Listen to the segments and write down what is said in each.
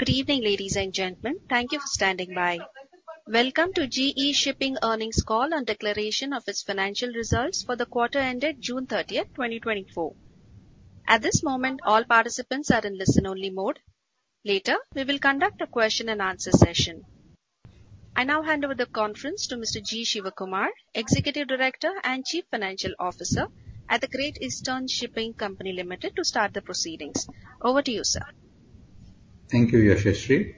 Good evening, ladies and gentlemen. Thank you for standing by. Welcome to GE Shipping earnings call and declaration of its financial results for the quarter ended June 30th, 2024. At this moment, all participants are in listen-only mode. Later, we will conduct a question and answer session. I now hand over the conference to Mr. G. Shivakumar, Executive Director and Chief Financial Officer at The Great Eastern Shipping Company Limited, to start the proceedings. Over to you, sir. Thank you, Yashashri.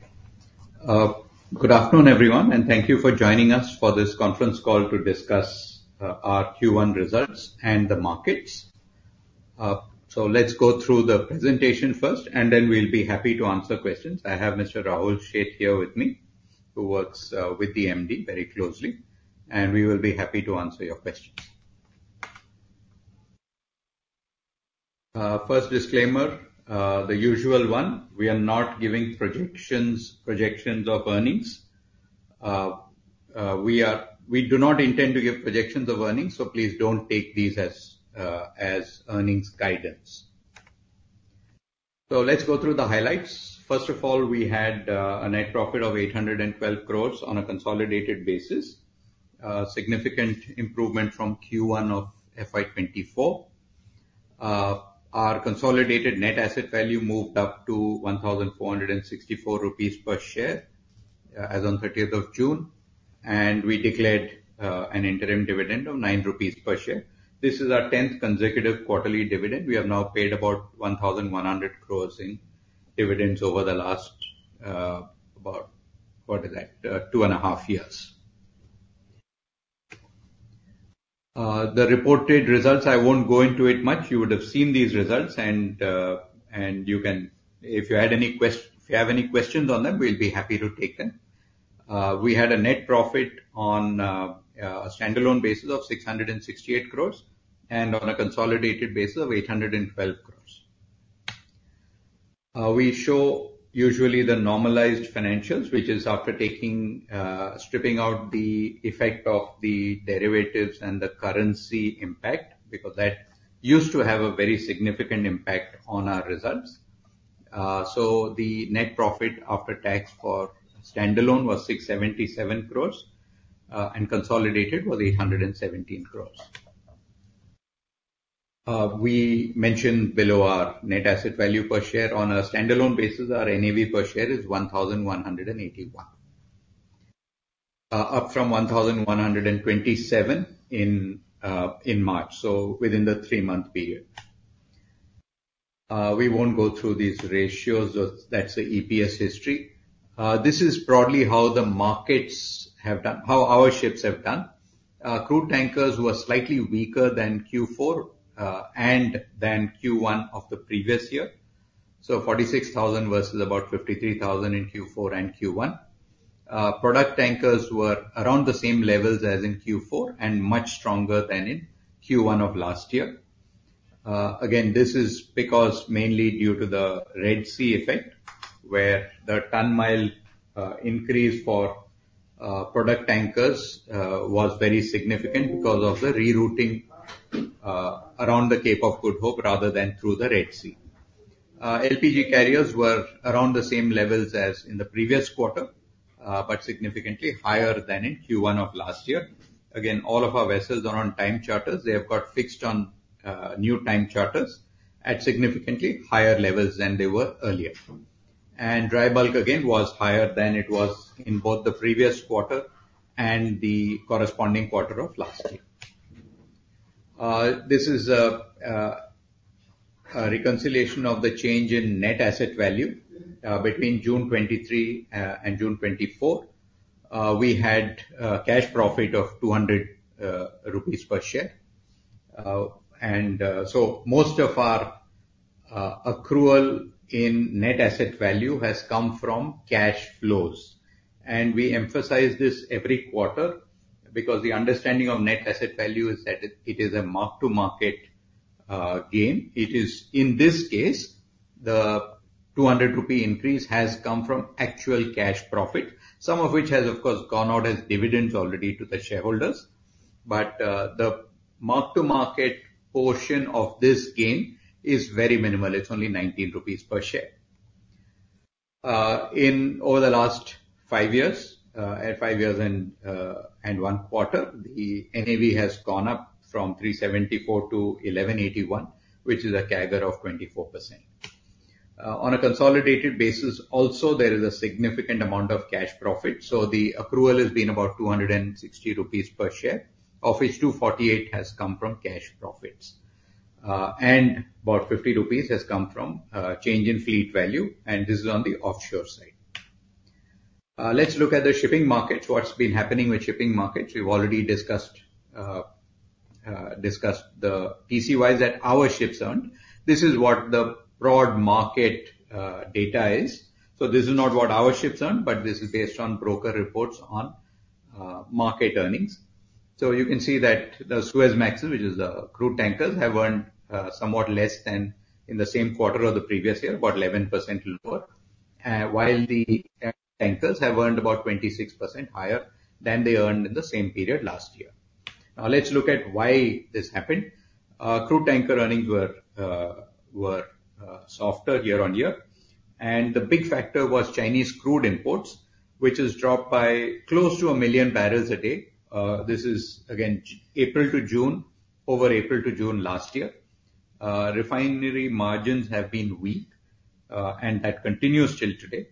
Good afternoon, everyone, and thank you for joining us for this conference call to discuss our Q1 results and the markets. So let's go through the presentation first, and then we'll be happy to answer questions. I have Mr. Rahul Sheth here with me, who works with the MD very closely, and we will be happy to answer your questions. First, disclaimer, the usual one. We are not giving projections of earnings. We do not intend to give projections of earnings, so please don't take these as earnings guidance. So let's go through the highlights. First of all, we had a net profit of 812 crore on a consolidated basis, a significant improvement from Q1 of FY 2024. Our consolidated net asset value moved up to 1,464 rupees per share, as on the 30th of June, and we declared an interim dividend of 9 rupees per share. This is our 10th consecutive quarterly dividend. We have now paid about 1,100 crores in dividends over the last, about, what is that? 2.5 years. The reported results, I won't go into it much. You would have seen these results, and you can... If you have any questions on them, we'll be happy to take them. We had a net profit on a standalone basis of 668 crores, and on a consolidated basis of 812 crores. We show usually the normalized financials, which is after taking, stripping out the effect of the derivatives and the currency impact, because that used to have a very significant impact on our results. So the net profit after tax for standalone was 677 crore, and consolidated was 817 crore. We mentioned below our net asset value per share. On a standalone basis, our NAV per share is 1,181, up from 1,127 in March, so within the three-month period. We won't go through these ratios. That's the EPS history. This is broadly how the markets have done, how our ships have done. Crude tankers were slightly weaker than Q4, and than Q1 of the previous year, so $46,000 versus about $53,000 in Q4 and Q1. Product tankers were around the same levels as in Q4 and much stronger than in Q1 of last year. Again, this is because mainly due to the Red Sea effect, where the ton mile increase for product tankers was very significant because of the rerouting around the Cape of Good Hope rather than through the Red Sea. LPG carriers were around the same levels as in the previous quarter, but significantly higher than in Q1 of last year. Again, all of our vessels are on time charters. They have got fixed on new time charters at significantly higher levels than they were earlier. Dry bulk again was higher than it was in both the previous quarter and the corresponding quarter of last year. This is a reconciliation of the change in net asset value between June 2023 and June 2024. We had a cash profit of 200 rupees per share. So most of our accrual in net asset value has come from cash flows. We emphasize this every quarter because the understanding of net asset value is that it is a mark-to-market gain. It is, in this case, the 200 rupee increase has come from actual cash profit, some of which has, of course, gone out as dividends already to the shareholders. But the mark-to-market portion of this gain is very minimal. It's only 19 rupees per share. In over the last five years and one quarter, the NAV has gone up from 374 to 1,181, which is a CAGR of 24%. On a consolidated basis also, there is a significant amount of cash profit, so the accrual has been about 260 rupees per share, of which 248 has come from cash profits. And about 50 rupees has come from change in fleet value, and this is on the offshore side. Let's look at the shipping markets. What's been happening with shipping markets? We've already discussed, discussed the TCEs that our ships earned. This is what the broad market data is. So this is not what our ships earn, but this is based on broker reports on market earnings. So you can see that the Suezmax, which is the crude tankers, have earned somewhat less than in the same quarter of the previous year, about 11% lower, while the tankers have earned about 26% higher than they earned in the same period last year. Now let's look at why this happened. Crude tanker earnings were softer year-over-year, and the big factor was Chinese crude imports, which has dropped by close to a million barrels a day. This is again April to June, over April to June last year. Refinery margins have been weak, and that continues till today.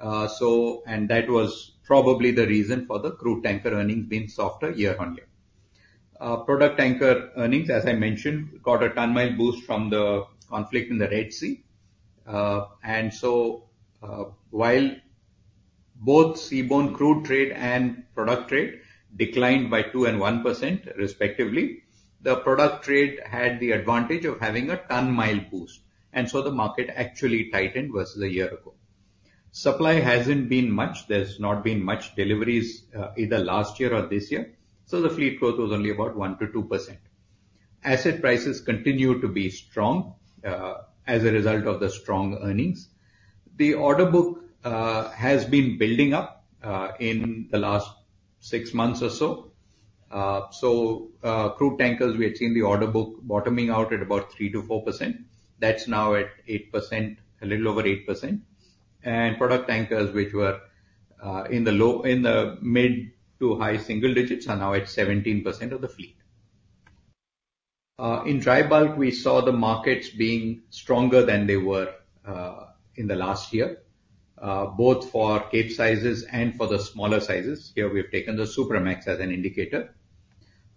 And that was probably the reason for the crude tanker earnings being softer year-over-year. Product tanker earnings, as I mentioned, got a ton-mile boost from the conflict in the Red Sea. And so, while both seaborne crude trade and product trade declined by 2% and 1% respectively, the product trade had the advantage of having a ton-mile boost, and so the market actually tightened versus a year ago. Supply hasn't been much. There's not been much deliveries, either last year or this year, so the fleet growth was only about 1% to 2%. Asset prices continue to be strong, as a result of the strong earnings. The order book has been building up, in the last six months or so. So, crude tankers, we had seen the order book bottoming out at about 3% to 4%. That's now at a little over 8%. And product tankers, which were in the mid to high single digits, are now at 17% of the fleet. In dry bulk, we saw the markets being stronger than they were in the last year, both for Capesizes and for the smaller sizes. Here we've taken the Supramax as an indicator.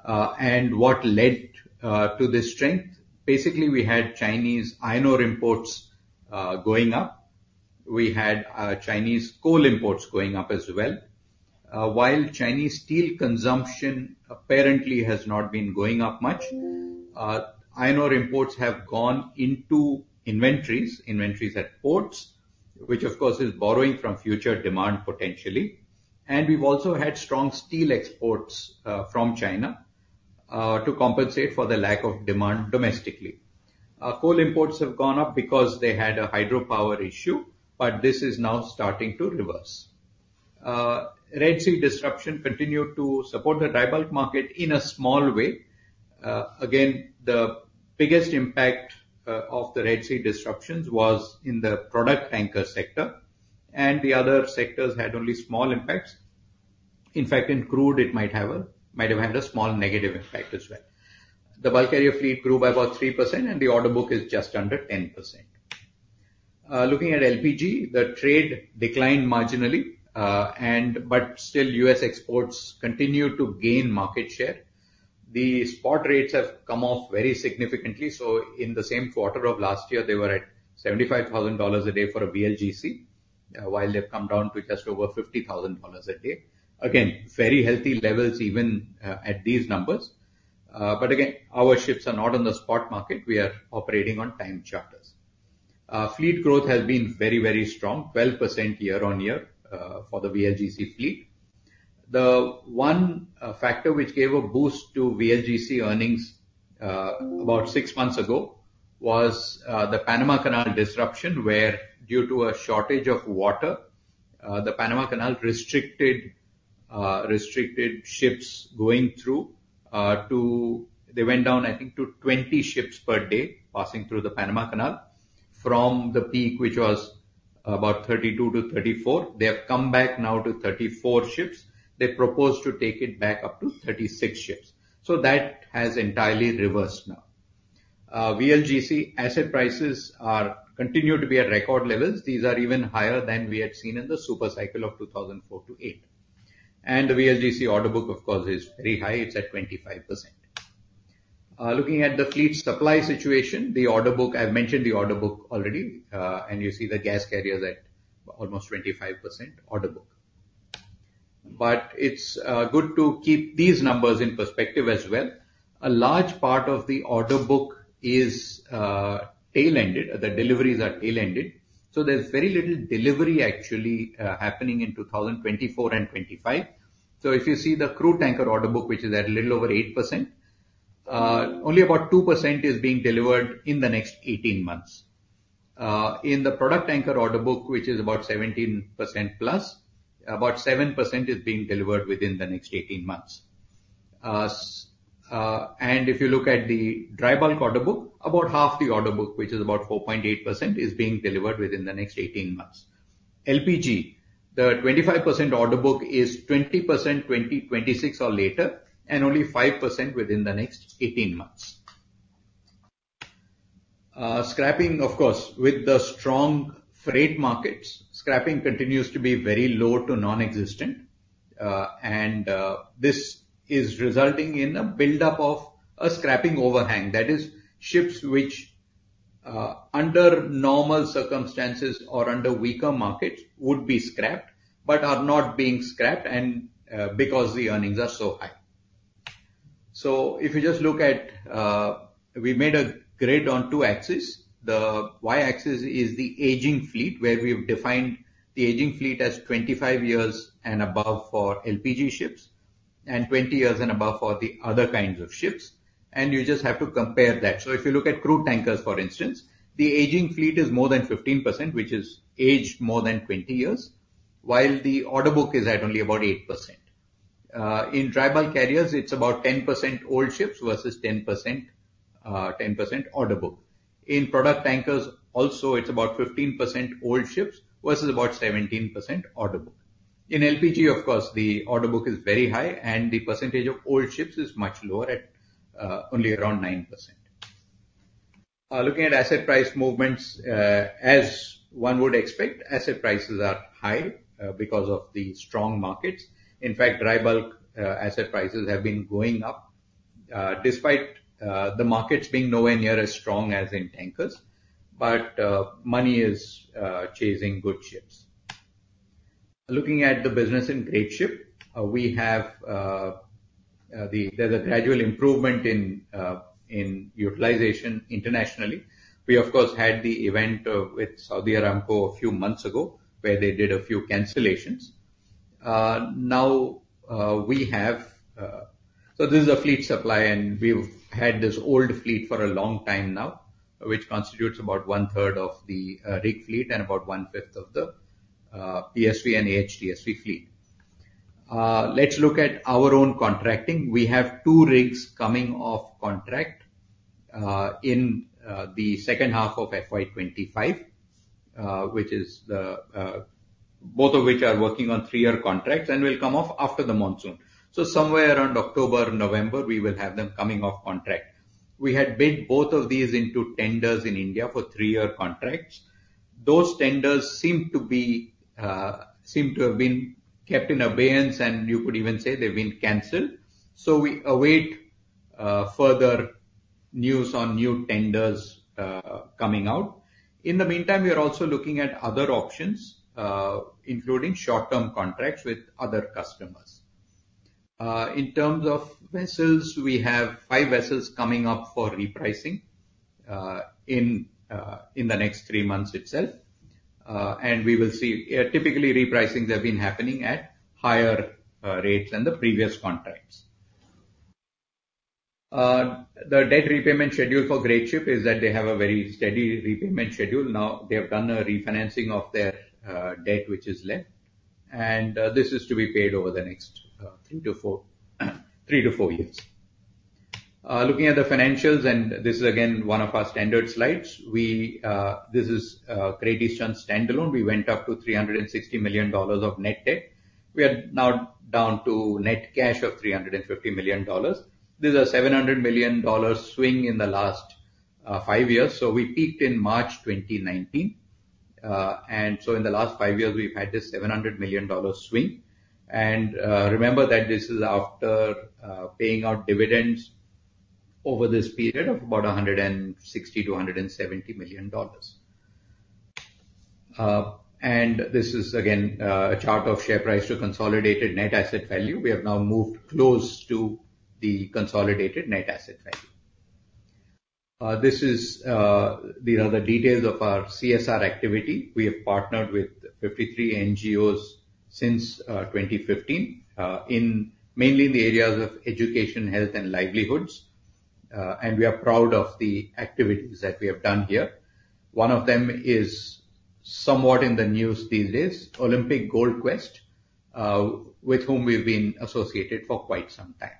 And what led to this strength? Basically, we had Chinese iron ore imports going up. We had Chinese coal imports going up as well. While Chinese steel consumption apparently has not been going up much, iron ore imports have gone into inventories, inventories at ports, which of course is borrowing from future demand potentially. And we've also had strong steel exports from China to compensate for the lack of demand domestically. Coal imports have gone up because they had a hydropower issue, but this is now starting to reverse. Red Sea disruption continued to support the dry bulk market in a small way. Again, the biggest impact of the Red Sea disruptions was in the product tanker sector, and the other sectors had only small impacts. In fact, in crude, it might have a, might have had a small negative impact as well. The bulk carrier fleet grew by about 3%, and the order book is just under 10%. Looking at LPG, the trade declined marginally, and but still, U.S. exports continued to gain market share. The spot rates have come off very significantly, so in the same quarter of last year, they were at $75,000 a day for a VLGC, while they've come down to just over $50,000 a day. Again, very healthy levels, even at these numbers. But again, our ships are not in the spot market. We are operating on time charters. Fleet growth has been very, very strong, 12% year-on-year, for the VLGC fleet. The one factor which gave a boost to VLGC earnings about six months ago was the Panama Canal disruption, where, due to a shortage of water, the Panama Canal restricted ships going through. They went down, I think, to 20 ships per day, passing through the Panama Canal, from the peak, which was about 32 to 34. They have come back now to 34 ships. They propose to take it back up to 36 ships. So that has entirely reversed now. VLGC asset prices are continuing to be at record levels. These are even higher than we had seen in the super cycle of 2004 to 2008. And the VLGC order book, of course, is very high. It's at 25%. Looking at the fleet supply situation, the order book, I've mentioned the order book already, and you see the gas carriers at almost 25% order book. But it's good to keep these numbers in perspective as well. A large part of the order book is tail-ended. The deliveries are tail-ended, so there's very little delivery actually happening in 2024 and 2025. So if you see the crude tanker order book, which is at a little over 8%, only about 2% is being delivered in the next eighteen months. In the product tanker order book, which is about 17%+, about 7% is being delivered within the next eighteen months. And if you look at the dry bulk order book, about half the order book, which is about 4.8%, is being delivered within the next eighteen months. LPG, the 25% order book is 20%, 2026 or later, and only 5% within the next eighteen months. Scrapping, of course, with the strong freight markets, scrapping continues to be very low to non-existent. And, this is resulting in a buildup of a scrapping overhang. That is, ships which, under normal circumstances or under weaker markets would be scrapped but are not being scrapped and, because the earnings are so high. So if you just look at, we made a grid on two axes. The Y-axis is the aging fleet, where we've defined the aging fleet as 25 years and above for LPG ships and 20 years and above for the other kinds of ships, and you just have to compare that. So if you look at crude tankers, for instance, the aging fleet is more than 15%, which is aged more than 20 years, while the order book is at only about 8%. In dry bulk carriers, it's about 10% old ships versus 10%, 10% order book. In product tankers, also it's about 15% old ships versus about 17% order book. In LPG, of course, the order book is very high, and the percentage of old ships is much lower at only around 9%. Looking at asset price movements, as one would expect, asset prices are high because of the strong markets. In fact, dry bulk asset prices have been going up despite the markets being nowhere near as strong as in tankers. But money is chasing good ships. Looking at the business in Greatship, we have. There's a gradual improvement in utilization internationally. We of course had the event with Saudi Aramco a few months ago, where they did a few cancellations. Now, we have... So this is a fleet supply, and we've had this old fleet for a long time now, which constitutes about one third of the rig fleet and about one fifth of the PSV and AHTSV fleet. Let's look at our own contracting. We have two rigs coming off contract in the second half of FY 2025, which is the both of which are working on three-year contracts and will come off after the monsoon. So somewhere around October, November, we will have them coming off contract. We had bid both of these into tenders in India for three-year contracts. Those tenders seem to have been kept in abeyance, and you could even say they've been canceled. So we await further news on new tenders coming out. In the meantime, we are also looking at other options, including short-term contracts with other customers. In terms of vessels, we have five vessels coming up for repricing in the next three months itself. And we will see, typically, repricings have been happening at higher rates than the previous contracts. The debt repayment schedule for Greatship is that they have a very steady repayment schedule. Now, they have done a refinancing of their debt, which is left, and this is to be paid over the next three to four years. Looking at the financials, and this is again, one of our standard slides, we, this is Great Eastern standalone. We went up to $360 million of net debt. We are now down to net cash of $350 million. This is a $700 million swing in the last five years, so we peaked in March 2019. And so in the last five years, we've had this $700 million swing. And remember that this is after paying out dividends over this period of about $160 million to $170 million. And this is again a chart of share price to consolidated net asset value. We have now moved close to the consolidated net asset value. This is the details of our CSR activity. We have partnered with 53 NGOs since 2015, mainly in the areas of education, health, and livelihoods. And we are proud of the activities that we have done here. One of them is somewhat in the news these days, Olympic Gold Quest, with whom we've been associated for quite some time.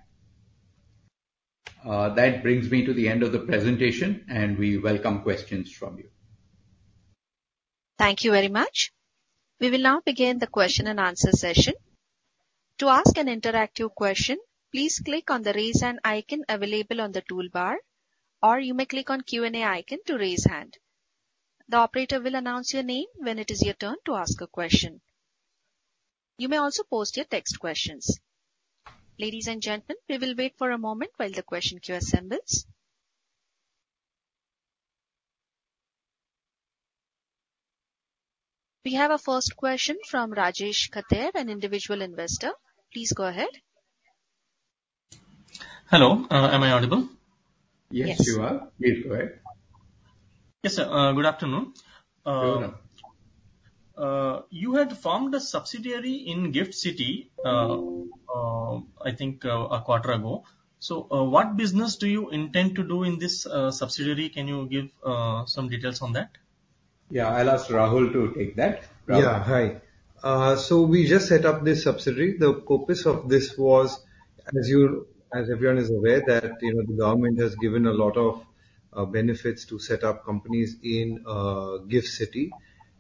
That brings me to the end of the presentation, and we welcome questions from you. Thank you very much. We will now begin the question-and-answer session. To ask an interactive question, please click on the Raise Hand icon available on the toolbar, or you may click on Q&A icon to raise hand. The operator will announce your name when it is your turn to ask a question. You may also post your text questions. Ladies and gentlemen, we will wait for a moment while the question queue assembles. We have our first question from Rajesh Khattar, an individual investor. Please go ahead. Hello. Am I audible? Yes, you are. Yes. Please go ahead. Yes, sir. Good afternoon. Good afternoon. You had formed a subsidiary in GIFT City, I think, a quarter ago. So, what business do you intend to do in this subsidiary? Can you give some details on that? Yeah, I'll ask Rahul to take that. Rahul? Yeah, hi. So we just set up this subsidiary. The purpose of this was, as you, as everyone is aware, that, you know, the government has given a lot of benefits to set up companies in GIFT City.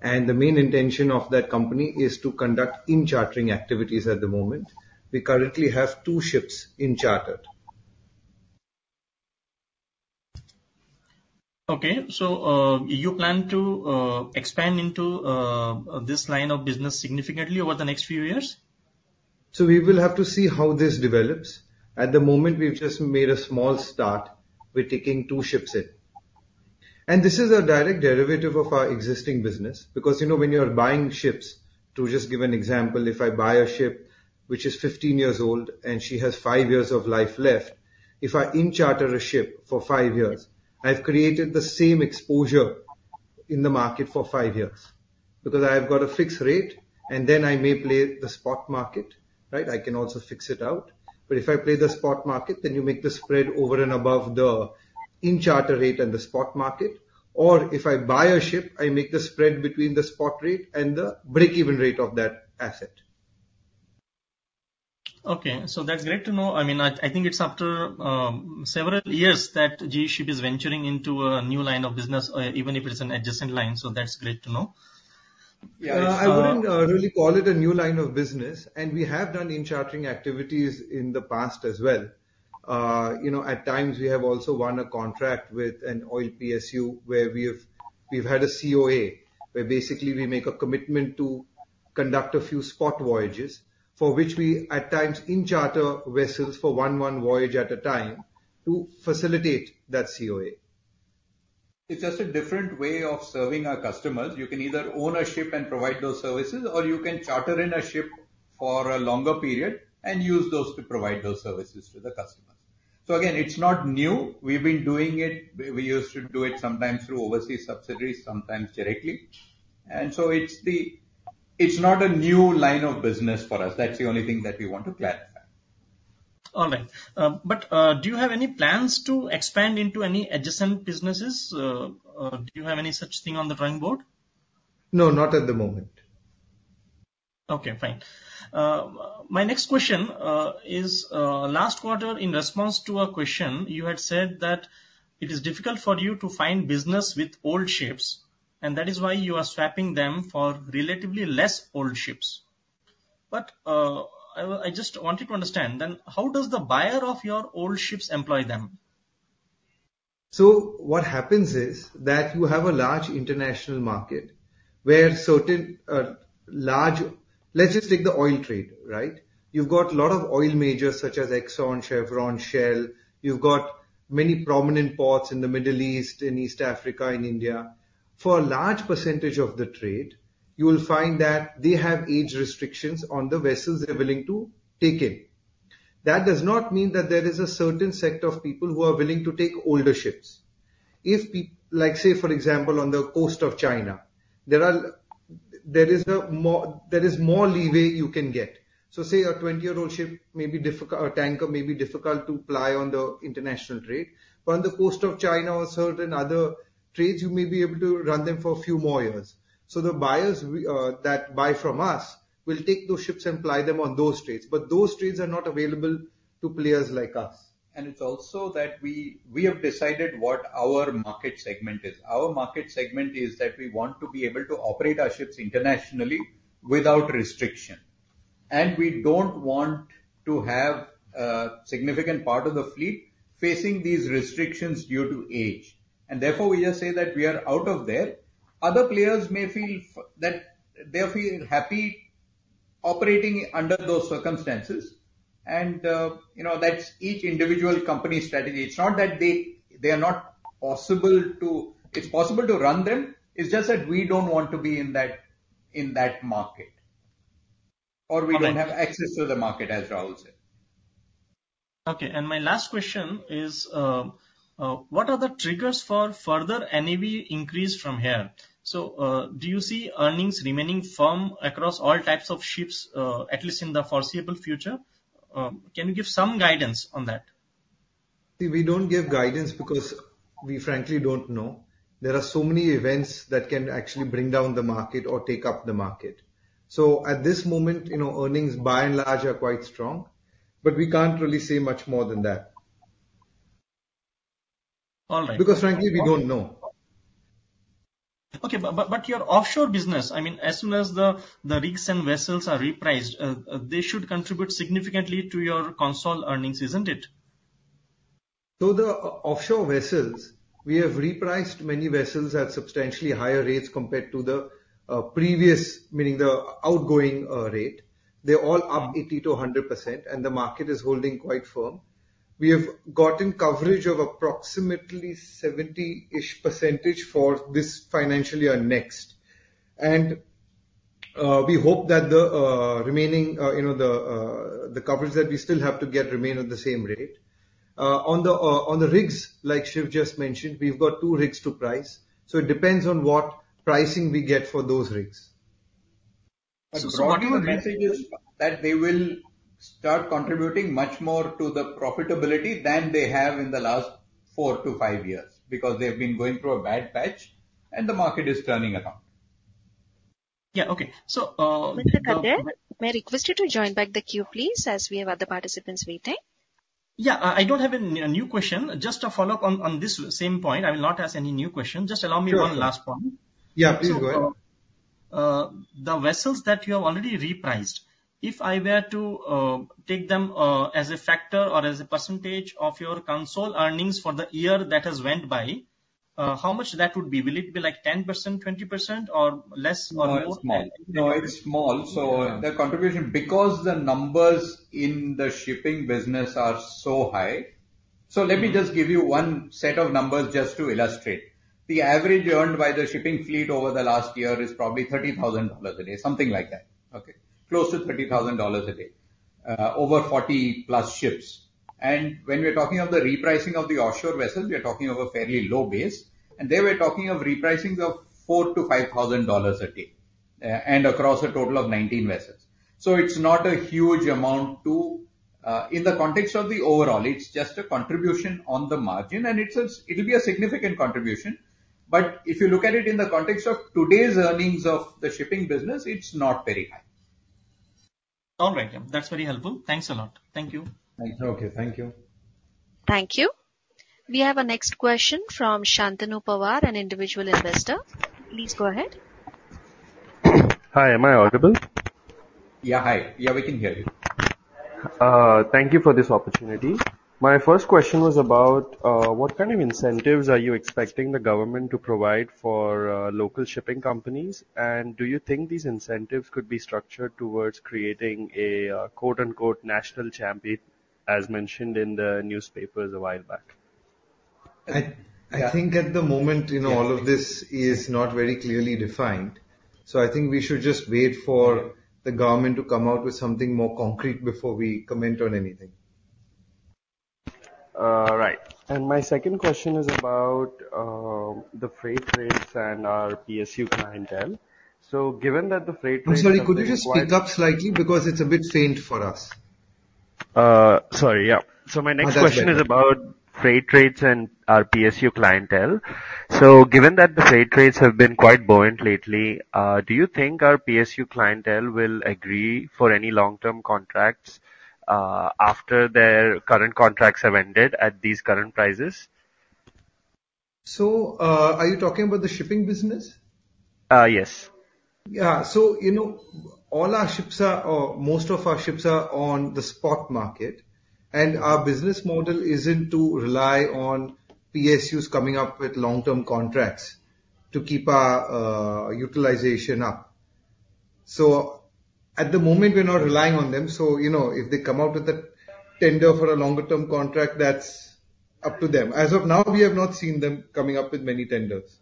And the main intention of that company is to conduct in-chartering activities at the moment. We currently have two ships in chartered. Okay. So, you plan to expand into this line of business significantly over the next few years? So we will have to see how this develops. At the moment, we've just made a small start. We're taking two ships in. And this is a direct derivative of our existing business, because, you know, when you're buying ships, to just give an example, if I buy a ship which is 15 years old, and she has five years of life left, if I in-charter a ship for five years, I've created the same exposure in the market for five years. Because I have got a fixed rate, and then I may play the spot market, right? I can also fix it out. But if I play the spot market, then you make the spread over and above the in-charter rate and the spot market.... or if I buy a ship, I make the spread between the spot rate and the break-even rate of that asset. Okay, so that's great to know. I mean, I think it's after several years that GE Shipping is venturing into a new line of business, even if it's an adjacent line. So that's great to know. Yeah, uh, I wouldn't really call it a new line of business, and we have done in-chartering activities in the past as well. You know, at times, we have also won a contract with an oil PSU, where we have, we've had a COA, where basically we make a commitment to conduct a few spot voyages, for which we, at times, in-charter vessels for one, one voyage at a time to facilitate that COA. It's just a different way of serving our customers. You can either own a ship and provide those services, or you can charter in a ship for a longer period and use those to provide those services to the customers. So again, it's not new. We've been doing it. We, we used to do it sometimes through overseas subsidiaries, sometimes directly. And so it's not a new line of business for us. That's the only thing that we want to clarify. All right. But, do you have any plans to expand into any adjacent businesses? Do you have any such thing on the drawing board? No, not at the moment. Okay, fine. My next question is last quarter, in response to a question, you had said that it is difficult for you to find business with old ships, and that is why you are swapping them for relatively less old ships. But, I just wanted to understand, then how does the buyer of your old ships employ them? So what happens is that you have a large international market, where certain large... Let's just take the oil trade, right? You've got a lot of oil majors such as Exxon, Chevron, Shell. You've got many prominent ports in the Middle East, in East Africa, in India. For a large percentage of the trade, you will find that they have age restrictions on the vessels they're willing to take in. That does not mean that there is a certain set of people who are willing to take older ships. Like, say, for example, on the coast of China, there is more leeway you can get. So, say a 20-year-old ship may be difficult, or a tanker may be difficult to ply on the international trade, but on the coast of China or certain other trades, you may be able to run them for a few more years. So the buyers we, that buy from us, will take those ships and ply them on those trades. But those trades are not available to players like us. It's also that we have decided what our market segment is. Our market segment is that we want to be able to operate our ships internationally without restriction. And we don't want to have a significant part of the fleet facing these restrictions due to age. And therefore, we just say that we are out of there. Other players may feel that they feel happy operating under those circumstances, and, you know, that's each individual company's strategy. It's not that they are not possible to... It's possible to run them. It's just that we don't want to be in that, in that market. All right. Or we don't have access to the market, as Rahul said. Okay, and my last question is, what are the triggers for further NAV increase from here? So, do you see earnings remaining firm across all types of ships, at least in the foreseeable future? Can you give some guidance on that? We don't give guidance because we frankly don't know. There are so many events that can actually bring down the market or take up the market. So at this moment, you know, earnings, by and large, are quite strong, but we can't really say much more than that. All right. Because frankly, we don't know. Okay, but your offshore business, I mean, as soon as the rigs and vessels are repriced, they should contribute significantly to your consolidated earnings, isn't it? So the offshore vessels, we have repriced many vessels at substantially higher rates compared to the previous, meaning the outgoing rate. They're all up 80% to 100%, and the market is holding quite firm. We have gotten coverage of approximately 70-ish% for this financial year next. And we hope that the remaining, you know, the coverage that we still have to get remain at the same rate. On the rigs, like Shiv just mentioned, we've got two rigs to price, so it depends on what pricing we get for those rigs. So- The broader message is that they will start contributing much more to the profitability than they have in the last four to five years, because they've been going through a bad patch, and the market is turning around. Yeah, okay. So, Mr. Khattar, may I request you to join back the queue, please, as we have other participants waiting? Yeah, I don't have a new question. Just a follow-up on, on this same point. I will not ask any new questions. Sure. Just allow me one last point. Yeah, please go ahead. The vessels that you have already repriced, if I were to take them as a factor or as a percentage of your consolidated earnings for the year that has went by, how much that would be? Will it be like 10%, 20%, or less or more? No, it's small. No, it's small. Yeah. So the contribution, because the numbers in the shipping business are so high. So let me just give you one set of numbers just to illustrate. The average earned by the shipping fleet over the last year is probably $30,000 a day, something like that. Okay. Close to $30,000 a day over 40+ ships. And when we're talking of the repricing of the offshore vessels, we are talking of a fairly low base. And there, we're talking of repricing of $4,000 to $5,000 a day and across a total of 19 vessels. So it's not a huge amount to-... in the context of the overall, it's just a contribution on the margin, and it's a, it'll be a significant contribution. But if you look at it in the context of today's earnings of the shipping business, it's not very high. All right, yeah. That's very helpful. Thanks a lot. Thank you. Thanks. Okay, thank you. Thank you. We have our next question from Shantanu Pawar, an individual investor. Please go ahead. Hi, am I audible? Yeah, hi. Yeah, we can hear you. Thank you for this opportunity. My first question was about what kind of incentives are you expecting the government to provide for local shipping companies? And do you think these incentives could be structured towards creating a quote-unquote, "national champion," as mentioned in the newspapers a while back? I think at the moment, you know, all of this is not very clearly defined. So I think we should just wait for the government to come out with something more concrete before we comment on anything. Right. And my second question is about the freight rates and our PSU clientele. So given that the freight rates- I'm sorry, could you just speak up slightly? Because it's a bit faint for us. Sorry, yeah. Now that's better. My next question is about freight rates and our PSU clientele. Given that the freight rates have been quite buoyant lately, do you think our PSU clientele will agree for any long-term contracts after their current contracts have ended at these current prices? Are you talking about the shipping business? Uh, yes. Yeah. So, you know, all our ships are, most of our ships are on the spot market, and our business model isn't to rely on PSUs coming up with long-term contracts to keep our utilization up. So at the moment, we're not relying on them, so, you know, if they come out with a tender for a longer-term contract, that's up to them. As of now, we have not seen them coming up with many tenders.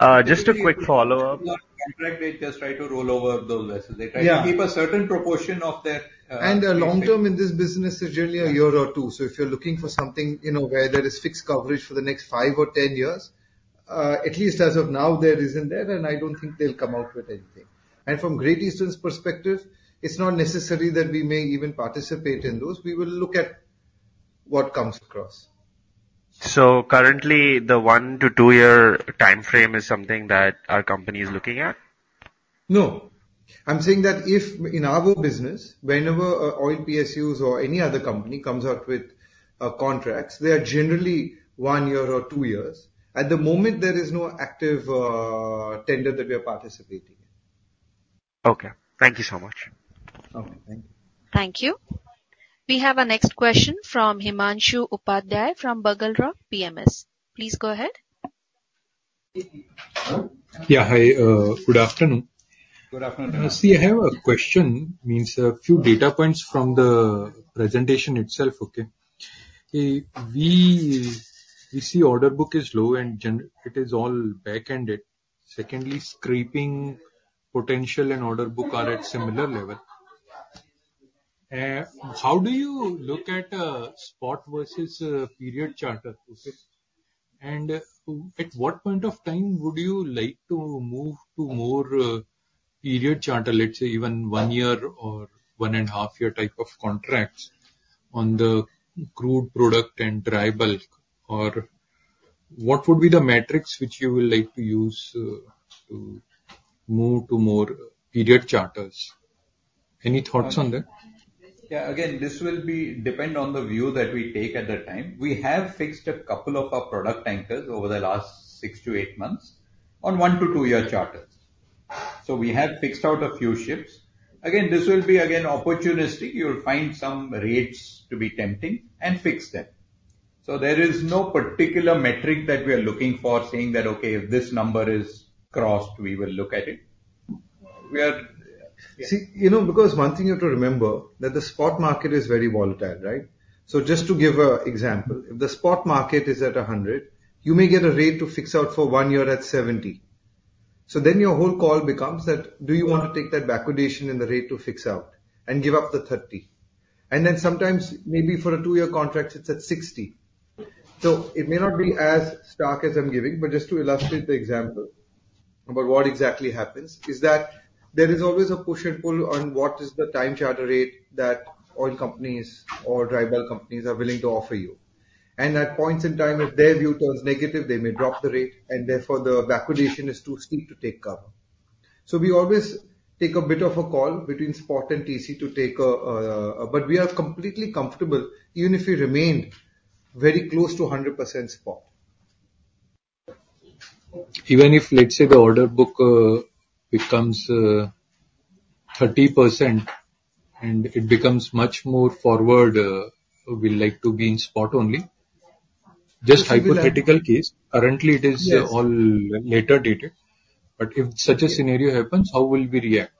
Just a quick follow-up. Contract, they just try to roll over those, as they try- Yeah -to keep a certain proportion of that, The long term in this business is generally a year or two. If you're looking for something, you know, where there is fixed coverage for the next 5 or 10 years, at least as of now, there isn't that, and I don't think they'll come out with anything. From Great Eastern's perspective, it's not necessary that we may even participate in those. We will look at what comes across. Currently, the one to two-year timeframe is something that our company is looking at? No. I'm saying that if, in our business, whenever an oil PSU or any other company comes out with contracts, they are generally one year or two years. At the moment, there is no active tender that we are participating in. Okay. Thank you so much. Okay, thank you. Thank you. We have our next question from Himanshu Upadhyay, from Bugle Rock Capital. Please go ahead. Yeah, hi. Good afternoon. Good afternoon. See, I have a question, means a few data points from the presentation itself, okay? We see order book is low, and it is all backended. Secondly, scrapping potential and order book are at similar level. How do you look at spot versus period charter, you see? And at what point of time would you like to move to more period charter, let's say, even one year or one and a half year type of contracts on the crude product and dry bulk? Or what would be the metrics which you would like to use to move to more period charters? Any thoughts on that? Yeah, again, this will depend on the view that we take at that time. We have fixed a couple of our product tankers over the last six to eight months on one to two-year charters. So we have fixed out a few ships. Again, this will be, again, opportunistic. You'll find some rates to be tempting and fix them. So there is no particular metric that we are looking for, saying that, "Okay, if this number is crossed, we will look at it." We are- See, you know, because one thing you have to remember, that the spot market is very volatile, right? So just to give an example, if the spot market is at 100, you may get a rate to fix out for one year at 70. So then your whole call becomes that, do you want to take that backwardation in the rate to fix out and give up the 30? And then sometimes, maybe for a two-year contract, it's at 60. So it may not be as stark as I'm giving, but just to illustrate the example about what exactly happens, is that there is always a push and pull on what is the time charter rate that oil companies or dry bulk companies are willing to offer you. At points in time, if their view turns negative, they may drop the rate, and therefore, the backwardation is too steep to take cover. So we always take a bit of a call between spot and TC to take a... But we are completely comfortable, even if we remain very close to 100% spot. Even if, let's say, the order book becomes 30%, and it becomes much more forward, we like to be in spot only. Just hypothetical case. Yes. Currently, it is all later dated, but if such a scenario happens, how will we react?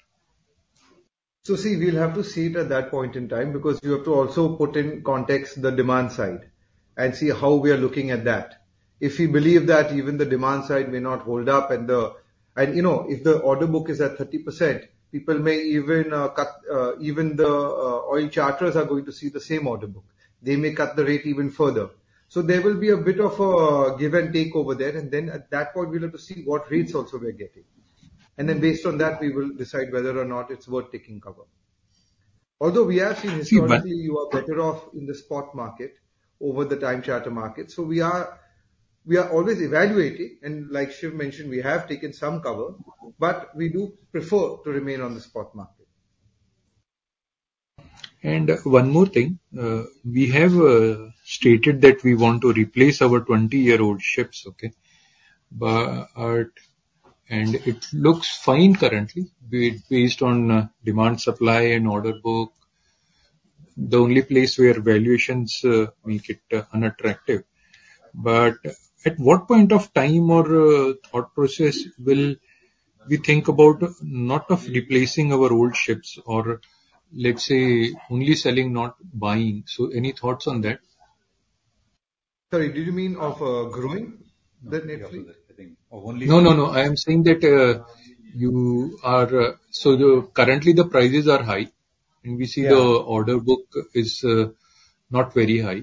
So see, we'll have to see it at that point in time, because you have to also put in context the demand side and see how we are looking at that. If we believe that even the demand side may not hold up, and you know, if the order book is at 30%, people may even cut even the oil charters are going to see the same order book. They may cut the rate even further. So there will be a bit of a give and take over there, and then at that point, we'll have to see what rates also we're getting. And then based on that, we will decide whether or not it's worth taking cover. Although we have seen historically, you are better off in the spot market over the time charter market. We are always evaluating, and like Shiv mentioned, we have taken some cover, but we do prefer to remain on the spot market. One more thing, we have stated that we want to replace our 20-year-old ships, okay? But it looks fine currently, based on demand, supply, and order book. The only place where valuations make it unattractive. But at what point of time or thought process will we think about not of replacing our old ships or, let's say, only selling, not buying? So any thoughts on that? Sorry, do you mean of, growing the net? No, no, no. I am saying that you are, so currently the prices are high, and we see- Yeah. The order book is not very high.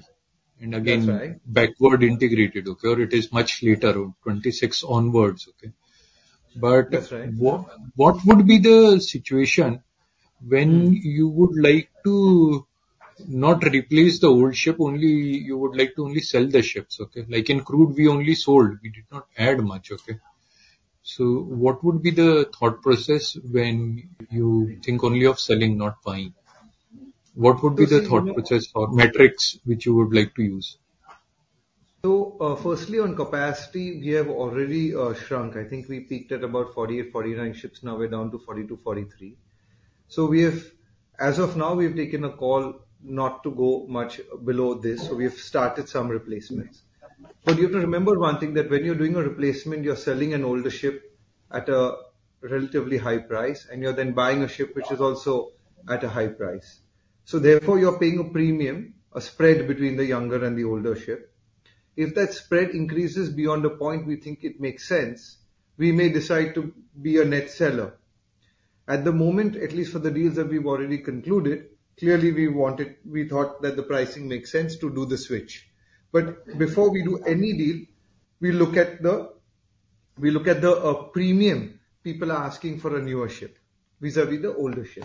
That's right. And again, backward integrated, okay, or it is much later, 26 onwards, okay? That's right. But what, what would be the situation when you would like to not replace the old ship, only you would like to only sell the ships, okay? Like in crude, we only sold, we did not add much, okay. So what would be the thought process when you think only of selling, not buying? What would be the thought process or metrics which you would like to use? So, firstly, on capacity, we have already shrunk. I think we peaked at about 48, 49 ships, now we're down to 42, 43. So we have, as of now, we've taken a call not to go much below this, so we have started some replacements. But you have to remember one thing, that when you're doing a replacement, you're selling an older ship at a relatively high price, and you're then buying a ship which is also at a high price. So therefore, you're paying a premium, a spread between the younger and the older ship. If that spread increases beyond the point we think it makes sense, we may decide to be a net seller. At the moment, at least for the deals that we've already concluded, clearly, we wanted, we thought that the pricing makes sense to do the switch. Before we do any deal, we look at the premium people are asking for a newer ship vis-à-vis the older ship.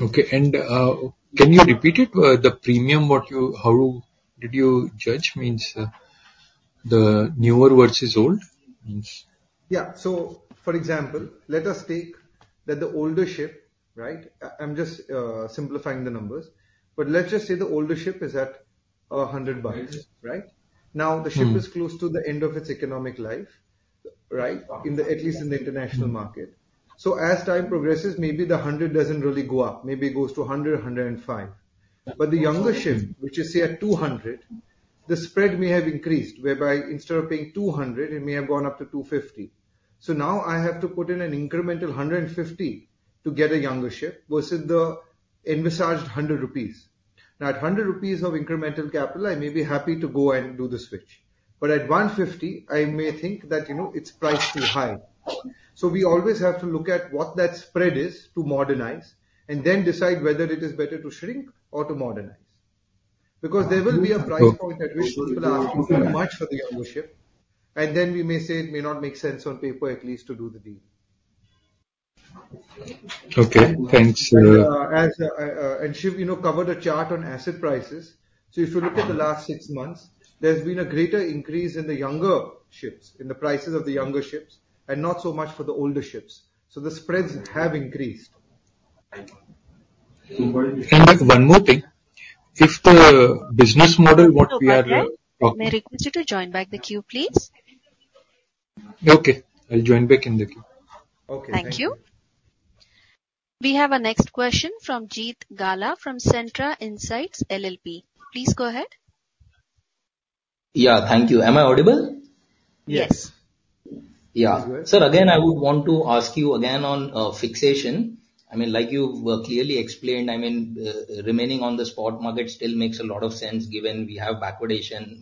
Yeah. Okay. And, can you repeat it, the premium, what you -- how did you judge means, the newer versus old means? Yeah. So for example, let us take that the older ship, right? I'm just simplifying the numbers. But let's just say the older ship is at $100, right? Mm. Now, the ship is close to the end of its economic life, right? In the, at least in the international market. So as time progresses, maybe the 100 doesn't really go up. Maybe it goes to a 100, 105. But the younger ship, which is say at 200, the spread may have increased, whereby instead of paying 200, it may have gone up to 250. So now I have to put in an incremental 150 to get a younger ship versus the envisaged 100 rupees. Now, at 100 rupees of incremental capital, I may be happy to go and do the switch, but at 150, I may think that, you know, it's priced too high. So we always have to look at what that spread is to modernize, and then decide whether it is better to shrink or to modernize. Because there will be a price point at which people are asking too much for the younger ship, and then we may say it may not make sense on paper, at least, to do the deal. Okay, thanks. And Shiv, you know, covered a chart on asset prices. So if you look at the last six months, there's been a greater increase in the younger ships, in the prices of the younger ships, and not so much for the older ships. So the spreads have increased. And like one more thing, if the business model, what we are, May I request you to join back the queue, please? Okay, I'll join back in the queue. Okay. Thank you. We have our next question from Jeet Gala, from Centrum Broking. Please go ahead. Yeah, thank you. Am I audible? Yes. Yes. Yeah. Sir, again, I would want to ask you again on fixation. I mean, like you clearly explained, I mean, remaining on the spot market still makes a lot of sense, given we have backwardation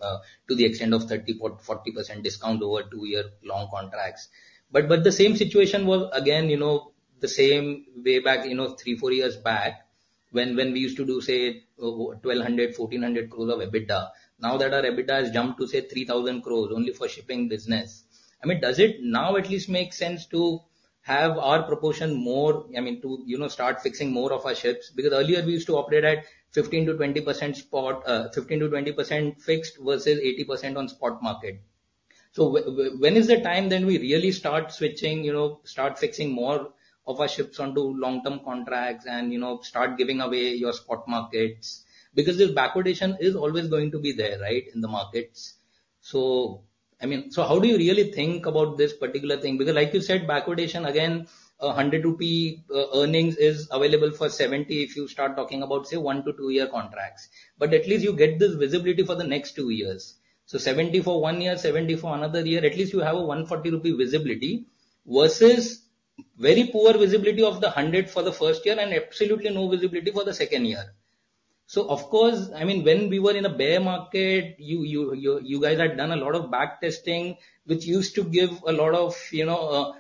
to the extent of 34% to 40% discount over two-year-long contracts. But the same situation was, again, you know, the same way back, you know, three, four years back when we used to do, say, 1,200-1,400 crores of EBITDA. Now that our EBITDA has jumped to, say, 3,000 crores only for shipping business, I mean, does it now at least make sense to have our proportion more, I mean, to, you know, start fixing more of our ships? Because earlier we used to operate at 15% to 20% spot, 15% to 20% fixed versus 80% on spot market. So when is the time then we really start switching, you know, start fixing more of our ships onto long-term contracts and, you know, start giving away your spot markets? Because this backwardation is always going to be there, right, in the markets. So, I mean, so how do you really think about this particular thing? Because like you said, backwardation, again, 100 rupee earnings is available for 70, if you start talking about, say, one to two-year contracts. But at least you get this visibility for the next two years. So 70 for one year, 70 for another year, at least you have a 140 rupee visibility, versus very poor visibility of the 100 for the first year and absolutely no visibility for the second year. So of course, I mean, when we were in a bear market, you guys had done a lot of back testing, which used to give a lot of, you know,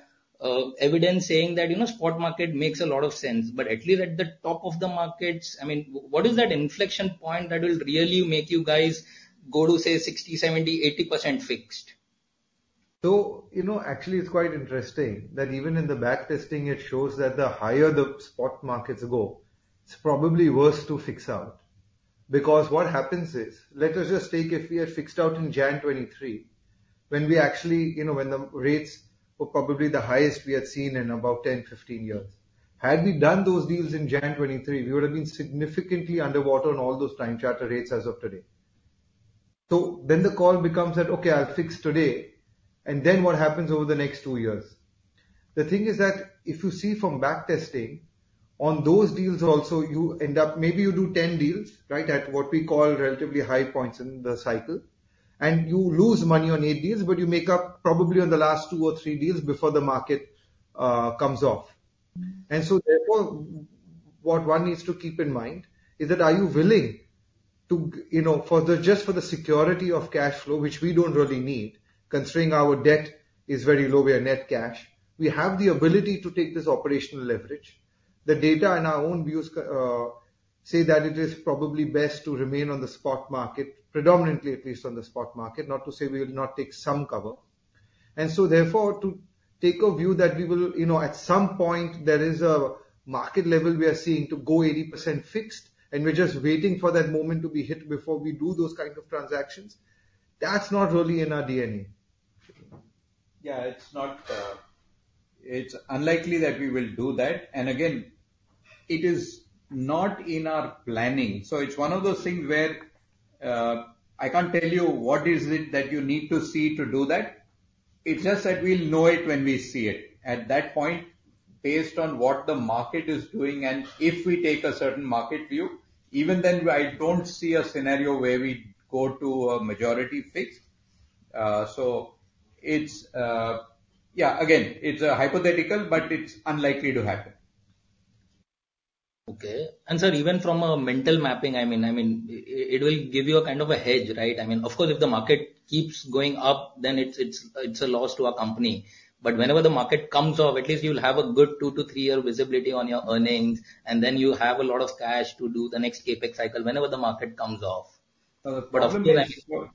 evidence saying that, you know, spot market makes a lot of sense. But at least at the top of the markets, I mean, what is that inflection point that will really make you guys go to, say, 60%, 70%, 80% fixed? So, you know, actually, it's quite interesting that even in the backtesting, it shows that the higher the spot markets go, it's probably worse to fix out. Because what happens is, let us just take if we had fixed out in January 2023, when we actually, you know, when the rates were probably the highest we had seen in about 10, 15 years. Had we done those deals in January 2023, we would have been significantly underwater on all those time charter rates as of today. So then the call becomes that, okay, I'll fix today, and then what happens over the next two years? The thing is that, if you see from backtesting, on those deals also, you end up maybe you do 10 deals, right, at what we call relatively high points in the cycle, and you lose money on eight deals, but you make up probably on the last two or three deals before the market comes off. And so therefore, what one needs to keep in mind is that are you willing to, you know, for the-- just for the security of cash flow, which we don't really need, considering our debt is very low, we are net cash. We have the ability to take this operational leverage. The data and our own views say that it is probably best to remain on the spot market, predominantly, at least on the spot market, not to say we will not take some cover. And so therefore, to take a view that we will, you know, at some point there is a market level we are seeing to go 80% fixed, and we're just waiting for that moment to be hit before we do those kind of transactions, that's not really in our DNA. Yeah, it's not. It's unlikely that we will do that. And again, it is not in our planning. So it's one of those things where, I can't tell you what is it that you need to see to do that. It's just that we'll know it when we see it. At that point, based on what the market is doing and if we take a certain market view, even then, I don't see a scenario where we go to a majority fix. So it's, yeah, again, it's a hypothetical, but it's unlikely to happen. Okay. And, sir, even from a mental mapping, I mean, it will give you a kind of a hedge, right? I mean, of course, if the market keeps going up, then it's a loss to our company. But whenever the market comes up, at least you'll have a good two- to three-year visibility on your earnings, and then you have a lot of cash to do the next CapEx cycle whenever the market comes off. Uh, but- Even-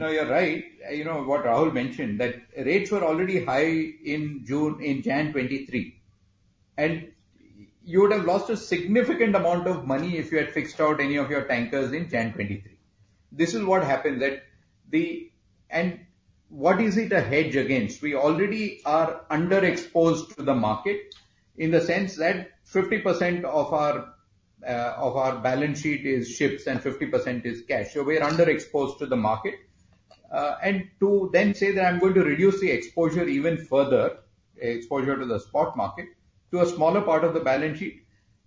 No, you're right. You know what Rahul mentioned, that rates were already high in June, in January 2023, and you would have lost a significant amount of money if you had fixed out any of your tankers in January 2023. This is what happens, that the... And what is it a hedge against? We already are underexposed to the market in the sense that 50% of our, of our balance sheet is ships and 50% is cash. So we are underexposed to the market. And to then say that I'm going to reduce the exposure even further, exposure to the spot market, to a smaller part of the balance sheet,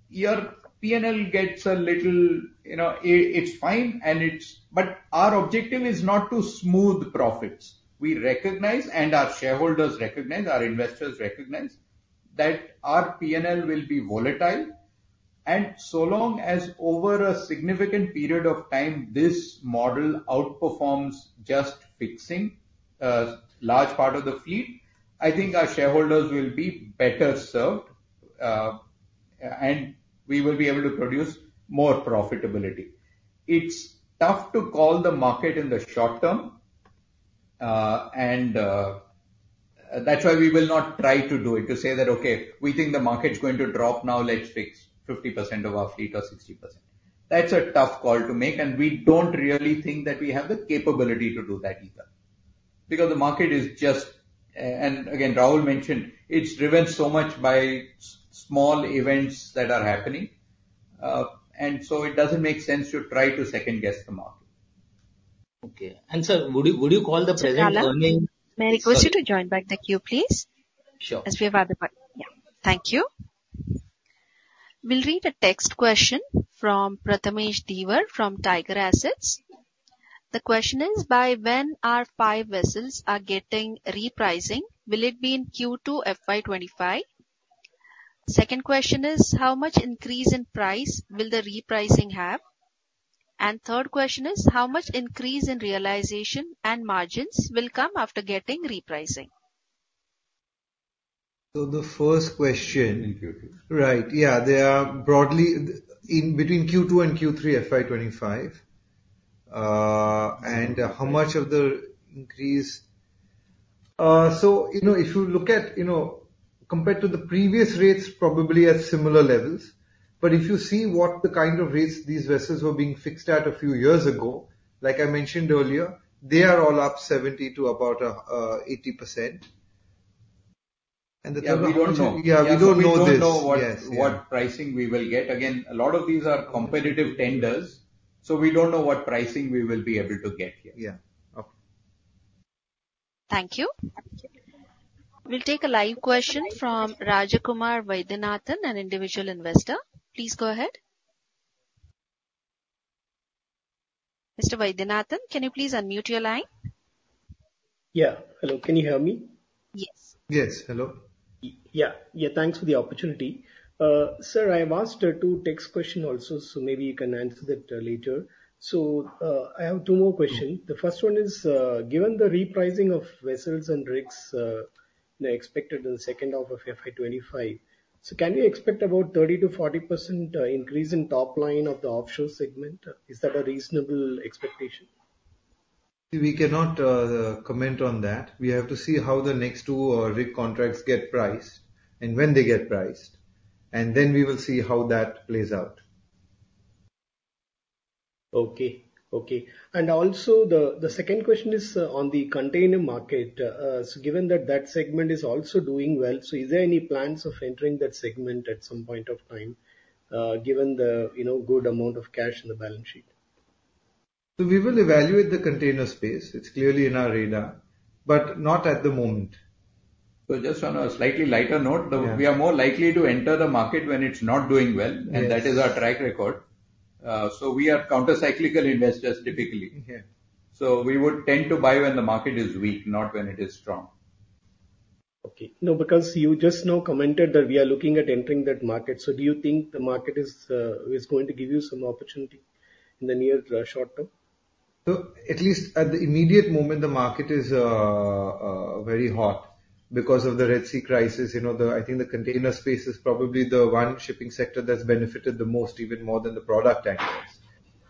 your P&L gets a little, you know, it's fine, and it's... But our objective is not to smooth profits. We recognize, and our shareholders recognize, our investors recognize, that our P&L will be volatile. And so long as over a significant period of time, this model outperforms just fixing, large part of the fleet, I think our shareholders will be better served, and we will be able to produce more profitability. It's tough to call the market in the short term, and, that's why we will not try to do it, to say that, "Okay, we think the market is going to drop, now let's fix 50% of our fleet or 60%." That's a tough call to make, and we don't really think that we have the capability to do that either, because the market is just... And again, Rahul mentioned, it's driven so much by small events that are happening, and so it doesn't make sense to try to second-guess the market. Okay. And, sir, would you, would you call the present earning- May I request you to join back the queue, please? Sure. Thank you. We'll read a text question from Prathamesh Diwar from Tiger Assets. The question is: By when our five vessels are getting repricing, will it be in Q2 FY25? Second question is: How much increase in price will the repricing have? And third question is: How much increase in realization and margins will come after getting repricing? So the first question- In Q2. Right. Yeah, they are broadly in between Q2 and Q3 FY25. And how much of the increase? So, you know, if you look at, you know, compared to the previous rates, probably at similar levels, but if you see what the kind of rates these vessels were being fixed at a few years ago, like I mentioned earlier, they are all up 70% to about 80%. And the third one- Yeah, we don't know. Yeah, we don't know this. We don't know what- Yes... what pricing we will get. Again, a lot of these are competitive tenders, so we don't know what pricing we will be able to get here. Yeah. Okay. Thank you. We'll take a live question from Rajkumar Vaidyanathan, an individual investor. Please go ahead. Mr. Vaidyanathan, can you please unmute your line? Yeah. Hello, can you hear me? Yes. Yes. Hello. Yeah, thanks for the opportunity. Sir, I have asked two text question also, so maybe you can answer that later. So, I have two more question. The first one is, given the repricing of vessels and rigs, expected in the second half of FY 2025, so can we expect about 30% to 40% increase in top line of the offshore segment? Is that a reasonable expectation? We cannot comment on that. We have to see how the next two rig contracts get priced and when they get priced, and then we will see how that plays out. Okay. Okay. And also the second question is on the container market. So given that that segment is also doing well, so is there any plans of entering that segment at some point of time, given the you know good amount of cash in the balance sheet? We will evaluate the container space. It's clearly in our radar, but not at the moment. Just on a slightly lighter note- Yeah. We are more likely to enter the market when it's not doing well. Yes. And that is our track record. So we are countercyclical investors, typically. Yeah. We would tend to buy when the market is weak, not when it is strong. Okay. No, because you just now commented that we are looking at entering that market. So do you think the market is going to give you some opportunity in the near, short term? So at least at the immediate moment, the market is very hot because of the Red Sea crisis. You know, the, I think the container space is probably the one shipping sector that's benefited the most, even more than the product tankers.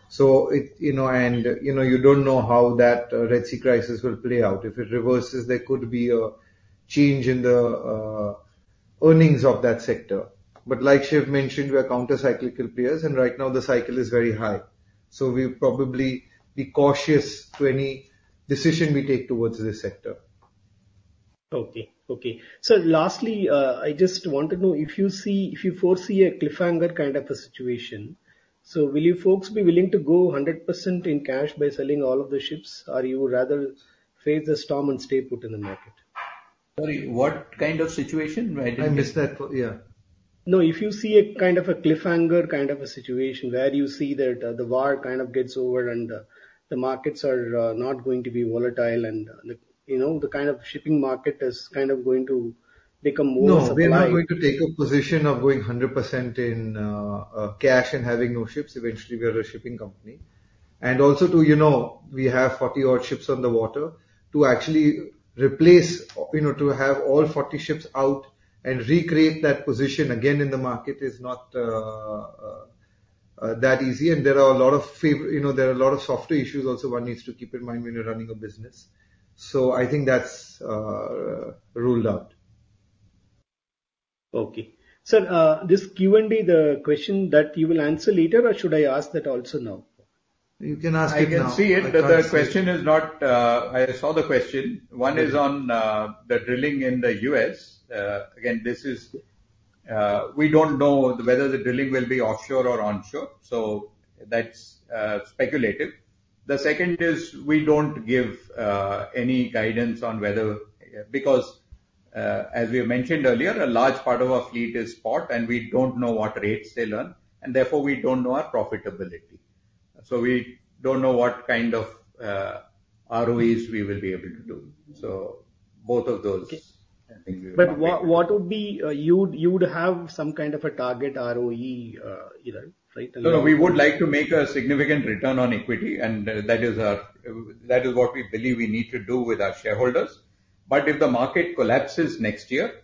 So it... You know, and, you know, you don't know how that Red Sea crisis will play out. If it reverses, there could be a change in the earnings of that sector. But like Shiv mentioned, we are countercyclical players, and right now the cycle is very high. So we'll probably be cautious to any decision we take towards this sector. Okay. Okay. Sir, lastly, I just want to know if you see, if you foresee a cliffhanger kind of a situation, so will you folks be willing to go 100% in cash by selling all of the ships, or you would rather face the storm and stay put in the market? Sorry, what kind of situation? I didn't- I missed that, yeah. No, if you see a kind of a cliffhanger kind of a situation, where you see that the war kind of gets over and the markets are not going to be volatile and, you know, the kind of shipping market is kind of going to become more supply. No, we are not going to take a position of going 100% in cash and having no ships. Eventually, we are a shipping company. And also, too, you know, we have 40-odd ships on the water. To actually replace, you know, to have all 40 ships out and recreate that position again in the market is not that easy. And there are a lot of soft issues also one needs to keep in mind when you're running a business. So I think that's ruled out. Okay. Sir, this Q&A, the question that you will answer later, or should I ask that also now? You can ask it now. I can see it, but the question is not. I saw the question. Okay. One is on the drilling in the U.S. Again, this is, we don't know whether the drilling will be offshore or onshore, so that's speculative. The second is, we don't give any guidance on whether- because, as we have mentioned earlier, a large part of our fleet is spot, and we don't know what rates they'll earn, and therefore, we don't know our profitability. So we don't know what kind of ROEs we will be able to do. So both of those- Okay I think we won't be able to. But what would be... you would have some kind of a target ROE, you know, right? No, no, we would like to make a significant return on equity, and that is what we believe we need to do with our shareholders. But if the market collapses next year,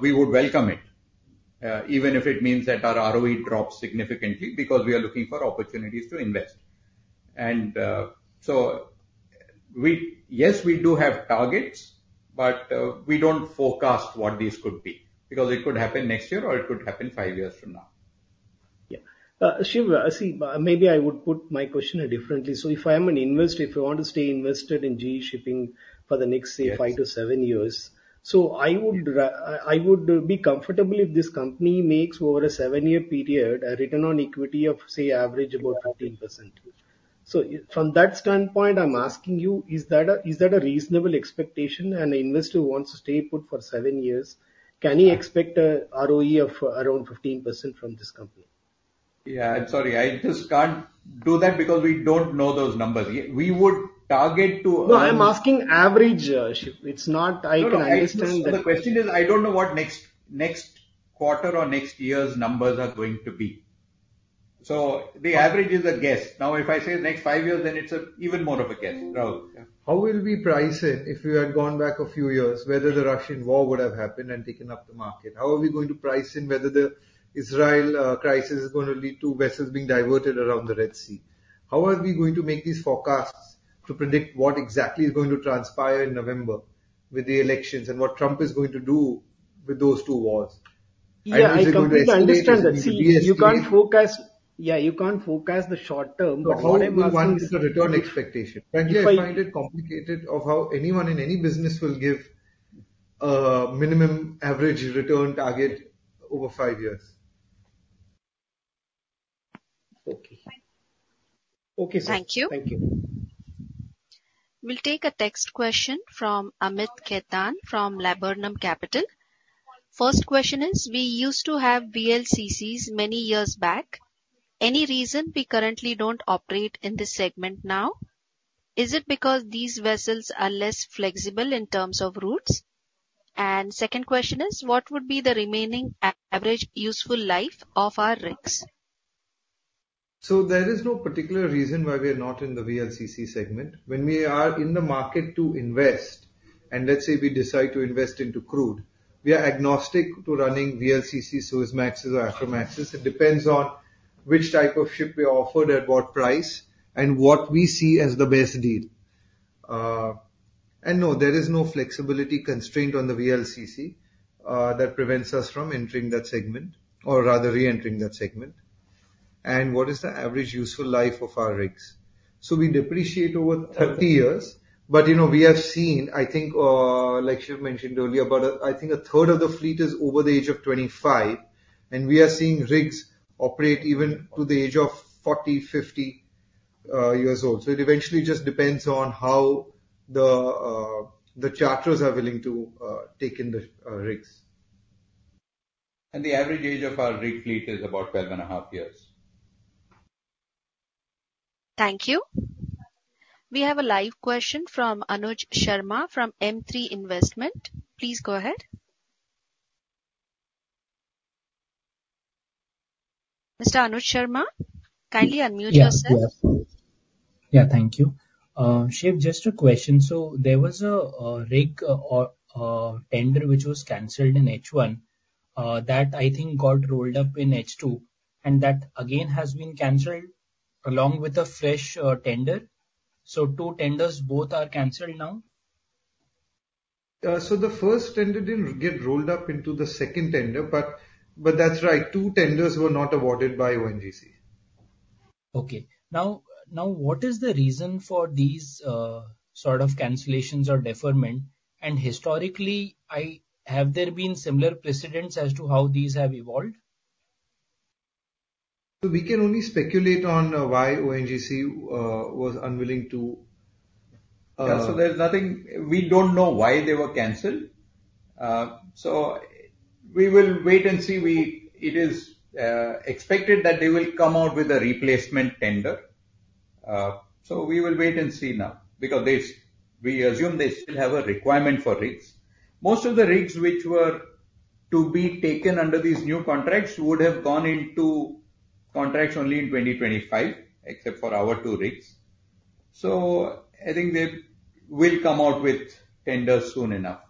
we would welcome it, even if it means that our ROE drops significantly, because we are looking for opportunities to invest. So, yes, we do have targets, but we don't forecast what these could be, because it could happen next year, or it could happen five years from now. Yeah. Shiv, see, maybe I would put my question differently. So if I am an investor, if you want to stay invested in GE Shipping for the next- Yes... say, five to seven years, so I would be comfortable if this company makes over a seven-year period, a return on equity of, say, average about 15%. So from that standpoint, I'm asking you, is that a reasonable expectation? An investor who wants to stay put for seven years, can he expect a ROE of around 15% from this company? Yeah, I'm sorry. I just can't do that because we don't know those numbers. We would target to- No, I'm asking average, Shiv. It's not- No, no- I can understand that- So the question is, I don't know what next, next quarter or next year's numbers are going to be. So the average is a guess. Now, if I say the next five years, then it's a even more of a guess, Rahul. How will we price it if we had gone back a few years, whether the Russian war would have happened and taken up the market? How are we going to price in whether the Israel crisis is going to lead to vessels being diverted around the Red Sea? How are we going to make these forecasts to predict what exactly is going to transpire in November with the elections, and what Trump is going to do with those two wars? Yeah, I completely understand that. See- You can't forecast... Yeah, you can't forecast the short term, but what I'm asking- But what we want is the return expectation. If I- I find it complicated of how anyone in any business will give a minimum average return target over five years. Okay. Okay, sir. Thank you. Thank you. We'll take a text question from Amit Khaitan from Laburnum Capital. First question is, we used to have VLCCs many years back. Any reason we currently don't operate in this segment now? Is it because these vessels are less flexible in terms of routes? And second question is, what would be the remaining average useful life of our rigs? ... So there is no particular reason why we are not in the VLCC segment. When we are in the market to invest, and let's say we decide to invest into crude, we are agnostic to running VLCC, Suezmaxes, or Aframaxes. It depends on which type of ship we are offered, at what price, and what we see as the best deal. And no, there is no flexibility constraint on the VLCC, that prevents us from entering that segment or rather, reentering that segment. What is the average useful life of our rigs? We depreciate over 30 years, but, you know, we have seen, I think, like Shiv mentioned earlier, about, I think a third of the fleet is over the age of 25, and we are seeing rigs operate even to the age of 40, 50 years old. It eventually just depends on how the charterers are willing to take in the rigs. The average age of our rig fleet is about 12.5 years. Thank you. We have a live question from Anuj Sharma from M3 Investment. Please go ahead. Mr. Anuj Sharma, kindly unmute yourself. Yeah. Yeah. Yeah, thank you. Shiv, just a question. So there was a rig or tender, which was canceled in H1, that I think got rolled up in H2, and that again has been canceled along with a fresh tender. So two tenders, both are canceled now? So the first tender didn't get rolled up into the second tender, but that's right, two tenders were not awarded by ONGC. Okay. Now, what is the reason for these sort of cancellations or deferment? And historically, I have there been similar precedents as to how these have evolved? So we can only speculate on why ONGC was unwilling to- Yeah, so there's nothing... We don't know why they were canceled. So we will wait and see. We. It is expected that they will come out with a replacement tender. So we will wait and see now, because they, we assume they still have a requirement for rigs. Most of the rigs which were to be taken under these new contracts would have gone into contracts only in 2025, except for our two rigs. So I think they will come out with tenders soon enough.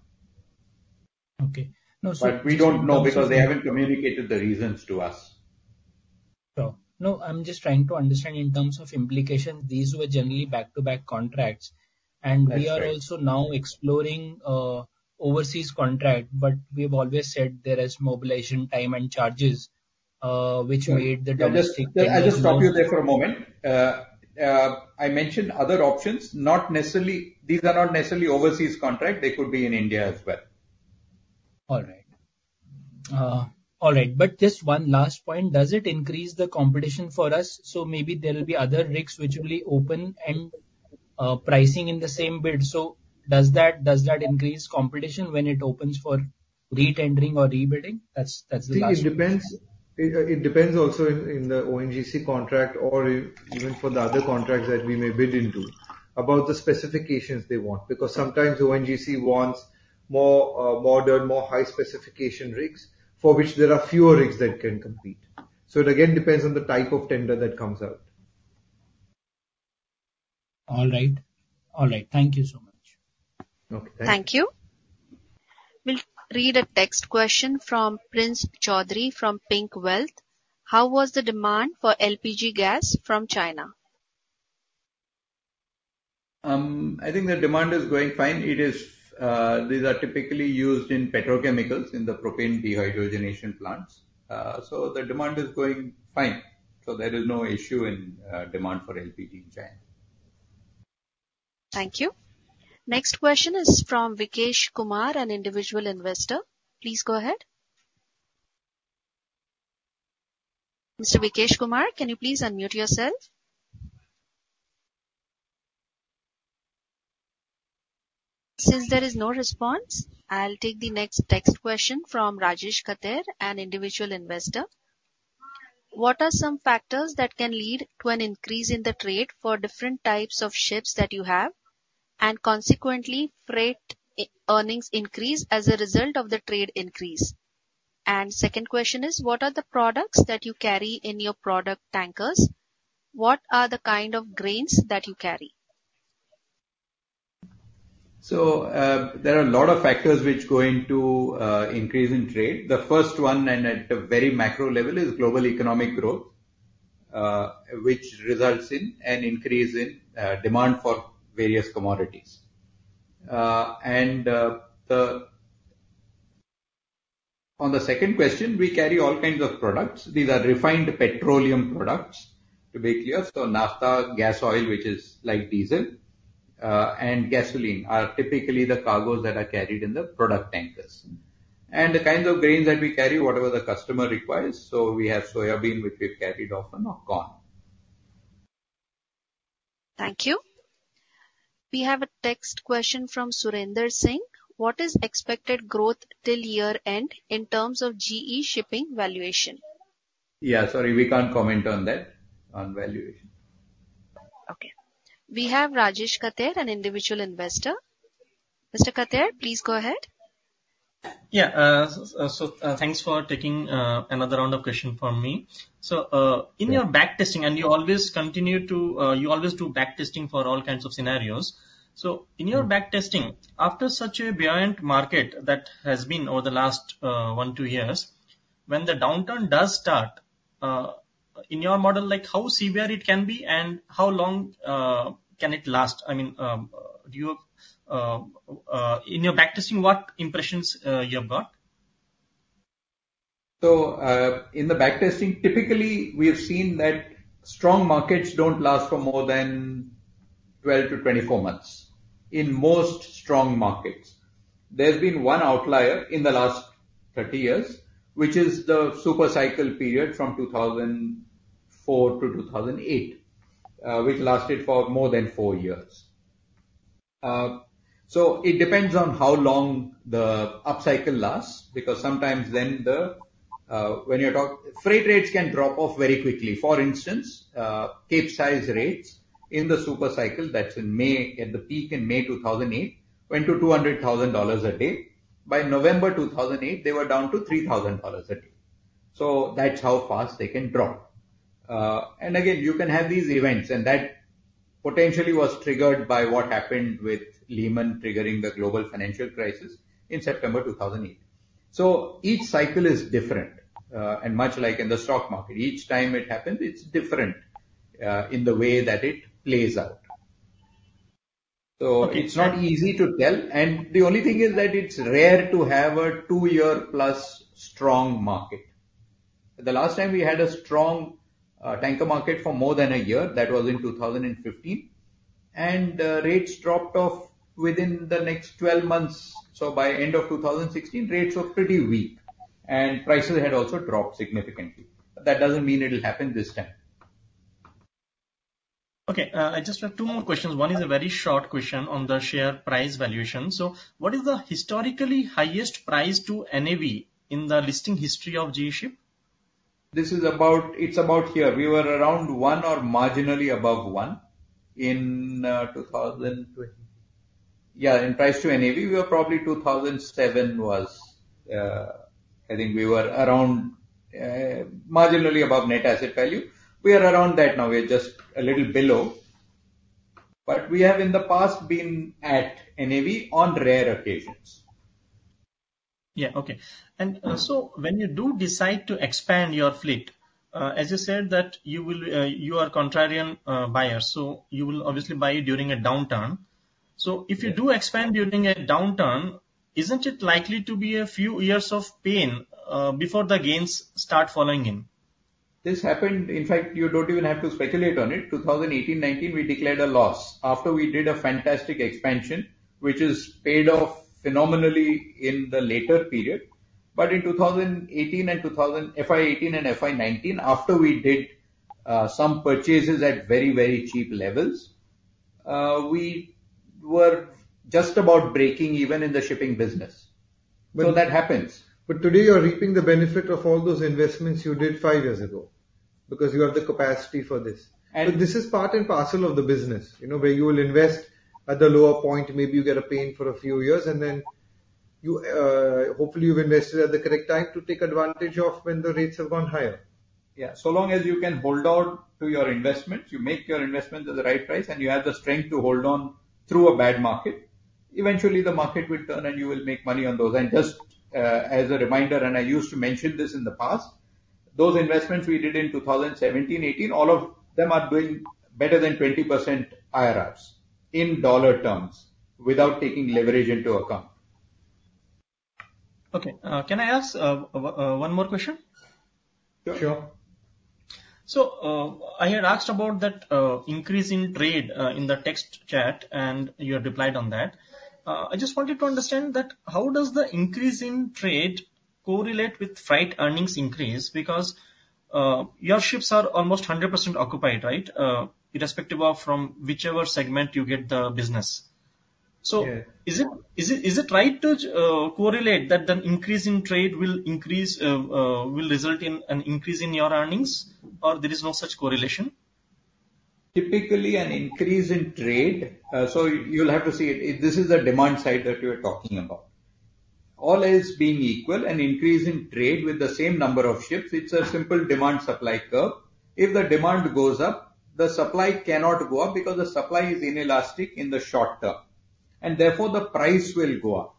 Okay. No, sir- But we don't know, because they haven't communicated the reasons to us. No. No, I'm just trying to understand in terms of implications, these were generally back-to-back contracts. That's right. We are also now exploring overseas contract, but we have always said there is mobilization time and charges, which made the domestic- Yeah, I'll just stop you there for a moment. I mentioned other options, not necessarily... These are not necessarily overseas contract, they could be in India as well. All right. All right, but just one last point, does it increase the competition for us? So maybe there will be other rigs which will be open and, pricing in the same bid. So does that, does that increase competition when it opens for retendering or rebidding? That's, that's the last one. See, it depends. It depends also in the ONGC contract or even for the other contracts that we may bid into, about the specifications they want, because sometimes ONGC wants more modern, more high specification rigs, for which there are fewer rigs that can compete. So it again depends on the type of tender that comes out. All right. All right, thank you so much. Okay, thank you. Thank you. We'll read a text question from Prince Chaudhary from Pink Wealth: How was the demand for LPG gas from China? I think the demand is going fine. It is, these are typically used in petrochemicals, in the propane dehydrogenation plants. So the demand is going fine. So there is no issue in, demand for LPG in China. Thank you. Next question is from Vikesh Kumar, an individual investor. Please go ahead. Mr. Vikesh Kumar, can you please unmute yourself? Since there is no response, I'll take the next text question from Rajesh Khattar, an individual investor. What are some factors that can lead to an increase in the trade for different types of ships that you have, and consequently, freight earnings increase as a result of the trade increase? And second question is, what are the products that you carry in your product tankers? What are the kind of grains that you carry? So, there are a lot of factors which go into increase in trade. The first one, and at a very macro level, is global economic growth, which results in an increase in demand for various commodities. On the second question, we carry all kinds of products. These are refined petroleum products, to be clear. So naphtha, gas oil, which is like diesel, and gasoline, are typically the cargoes that are carried in the product tankers. And the kinds of grains that we carry, whatever the customer requires, so we have soybean, which we've carried often, or corn. Thank you. We have a text question from Surender Singh: What is expected growth till year-end in terms of GE Shipping valuation? Yeah, sorry, we can't comment on that, on valuation.... We have Rajesh Khattar, an individual investor. Mr. Khattar, please go ahead. Yeah, so, so thanks for taking another round of question from me. So, in your backtesting, and you always continue to, you always do backtesting for all kinds of scenarios. So in your backtesting, after such a buoyant market that has been over the last one, two years, when the downturn does start in your model, like, how severe it can be and how long can it last? I mean, do you have in your backtesting, what impressions you have got? So, in the backtesting, typically, we have seen that strong markets don't last for more than 12to 24 months, in most strong markets. There's been one outlier in the last 30 years, which is the super cycle period from 2004 to 2008, which lasted for more than four years. So it depends on how long the upcycle lasts, because sometimes, freight rates can drop off very quickly. For instance, Capesize rates in the super cycle, that's in May, at the peak in May 2008, went to $200,000 a day. By November 2008, they were down to $3,000 a day. So that's how fast they can drop. And again, you can have these events, and that potentially was triggered by what happened with Lehman triggering the global financial crisis in September 2008. So each cycle is different, and much like in the stock market, each time it happens, it's different, in the way that it plays out. So it's not easy to tell, and the only thing is that it's rare to have a two-year plus strong market. The last time we had a strong, tanker market for more than a year, that was in 2015, and, rates dropped off within the next 12 months. So by end of 2016, rates were pretty weak and prices had also dropped significantly. But that doesn't mean it'll happen this time. Okay, I just have two more questions. One is a very short question on the share price valuation. So what is the historically highest price to NAV in the listing history of GE Shipping? This is about, it's about here. We were around one or marginally above one in 2007. Yeah, in price to NAV, we were probably 2007 was, I think we were around marginally above net asset value. We are around that now. We are just a little below, but we have in the past been at NAV on rare occasions. Yeah. Okay. So when you do decide to expand your fleet, as you said, that you will, you are contrarian buyer, so you will obviously buy during a downturn. Yeah. If you do expand during a downturn, isn't it likely to be a few years of pain before the gains start following in? This happened. In fact, you don't even have to speculate on it. 2018, 2019, we declared a loss after we did a fantastic expansion, which has paid off phenomenally in the later period. But in 2018 and 2019 - FY 2018 and FY 2019, after we did some purchases at very, very cheap levels, we were just about breaking even in the shipping business. So that happens. But today, you're reaping the benefit of all those investments you did five years ago, because you have the capacity for this. And- But this is part and parcel of the business, you know, where you will invest at the lower point, maybe you get a pain for a few years, and then you, hopefully, you've invested at the correct time to take advantage of when the rates have gone higher. Yeah. So long as you can hold on to your investments, you make your investments at the right price, and you have the strength to hold on through a bad market, eventually the market will turn, and you will make money on those. And just, as a reminder, and I used to mention this in the past, those investments we did in 2017, 2018, all of them are doing better than 20% IRRs in dollar terms, without taking leverage into account. Okay, can I ask one more question? Sure. Sure. So, I had asked about that increase in trade in the text chat, and you have replied on that. I just wanted to understand that how does the increase in trade correlate with freight earnings increase? Because your ships are almost 100% occupied, right? Irrespective of from whichever segment you get the business. Yeah. So is it right to correlate that an increase in trade will result in an increase in your earnings, or there is no such correlation? Typically, an increase in trade, so you'll have to see it. This is a demand side that you are talking about. All else being equal, an increase in trade with the same number of ships, it's a simple demand-supply curve. If the demand goes up, the supply cannot go up because the supply is inelastic in the short term, and therefore, the price will go up.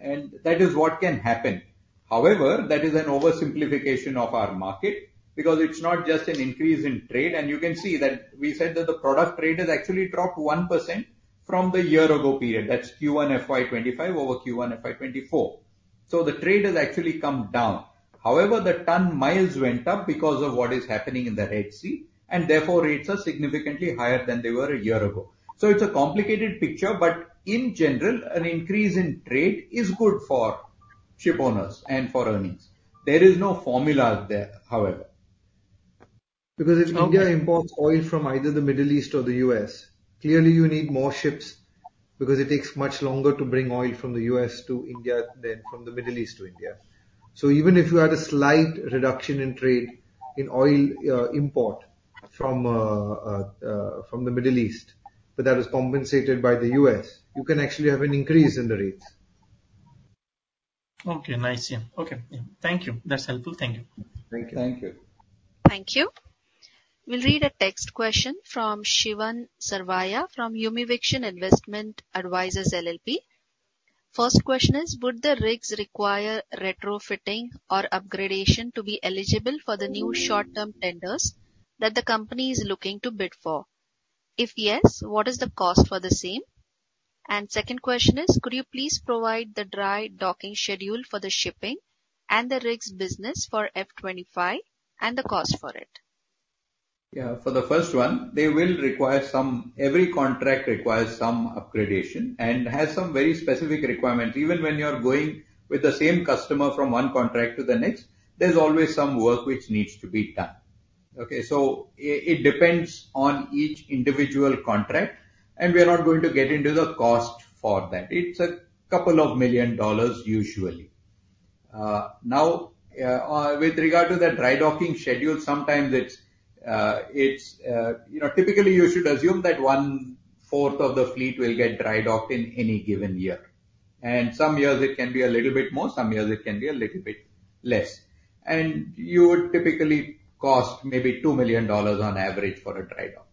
And that is what can happen. However, that is an oversimplification of our market because it's not just an increase in trade, and you can see that we said that the product trade has actually dropped 1% from the year ago period. That's Q1 FY 2025 over Q1 FY 2024. So the trade has actually come down. However, the ton-miles went up because of what is happening in the Red Sea, and therefore, rates are significantly higher than they were a year ago. So it's a complicated picture, but in general, an increase in trade is good for ship owners and for earnings. There is no formula out there, however. Because if India imports oil from either the Middle East or the U.S., clearly you need more ships, because it takes much longer to bring oil from the U.S. to India than from the Middle East to India. So even if you had a slight reduction in trade in oil import from the Middle East, but that was compensated by the U.S., you can actually have an increase in the rates. Okay, nice. Yeah. Okay, thank you. That's helpful. Thank you. Thank you. Thank you. Thank you. We'll read a text question from Shivan Sarvaiya from Humevision Investment Advisors LLP. First question is: Would the rigs require retrofitting or upgradation to be eligible for the new short-term tenders that the company is looking to bid for? If yes, what is the cost for the same? And second question is: Could you please provide the dry docking schedule for the shipping and the rigs business for FY 2025, and the cost for it? Yeah, for the first one, they will require some... Every contract requires some upgradation and has some very specific requirements. Even when you are going with the same customer from one contract to the next, there's always some work which needs to be done, okay? So it depends on each individual contract, and we are not going to get into the cost for that. It's $2 million, usually. Now, with regard to the dry docking schedule, sometimes it's, you know, typically, you should assume that one-fourth of the fleet will get dry docked in any given year. And some years it can be a little bit more, some years it can be a little bit less. And you would typically cost maybe $2 million on average for a dry dock.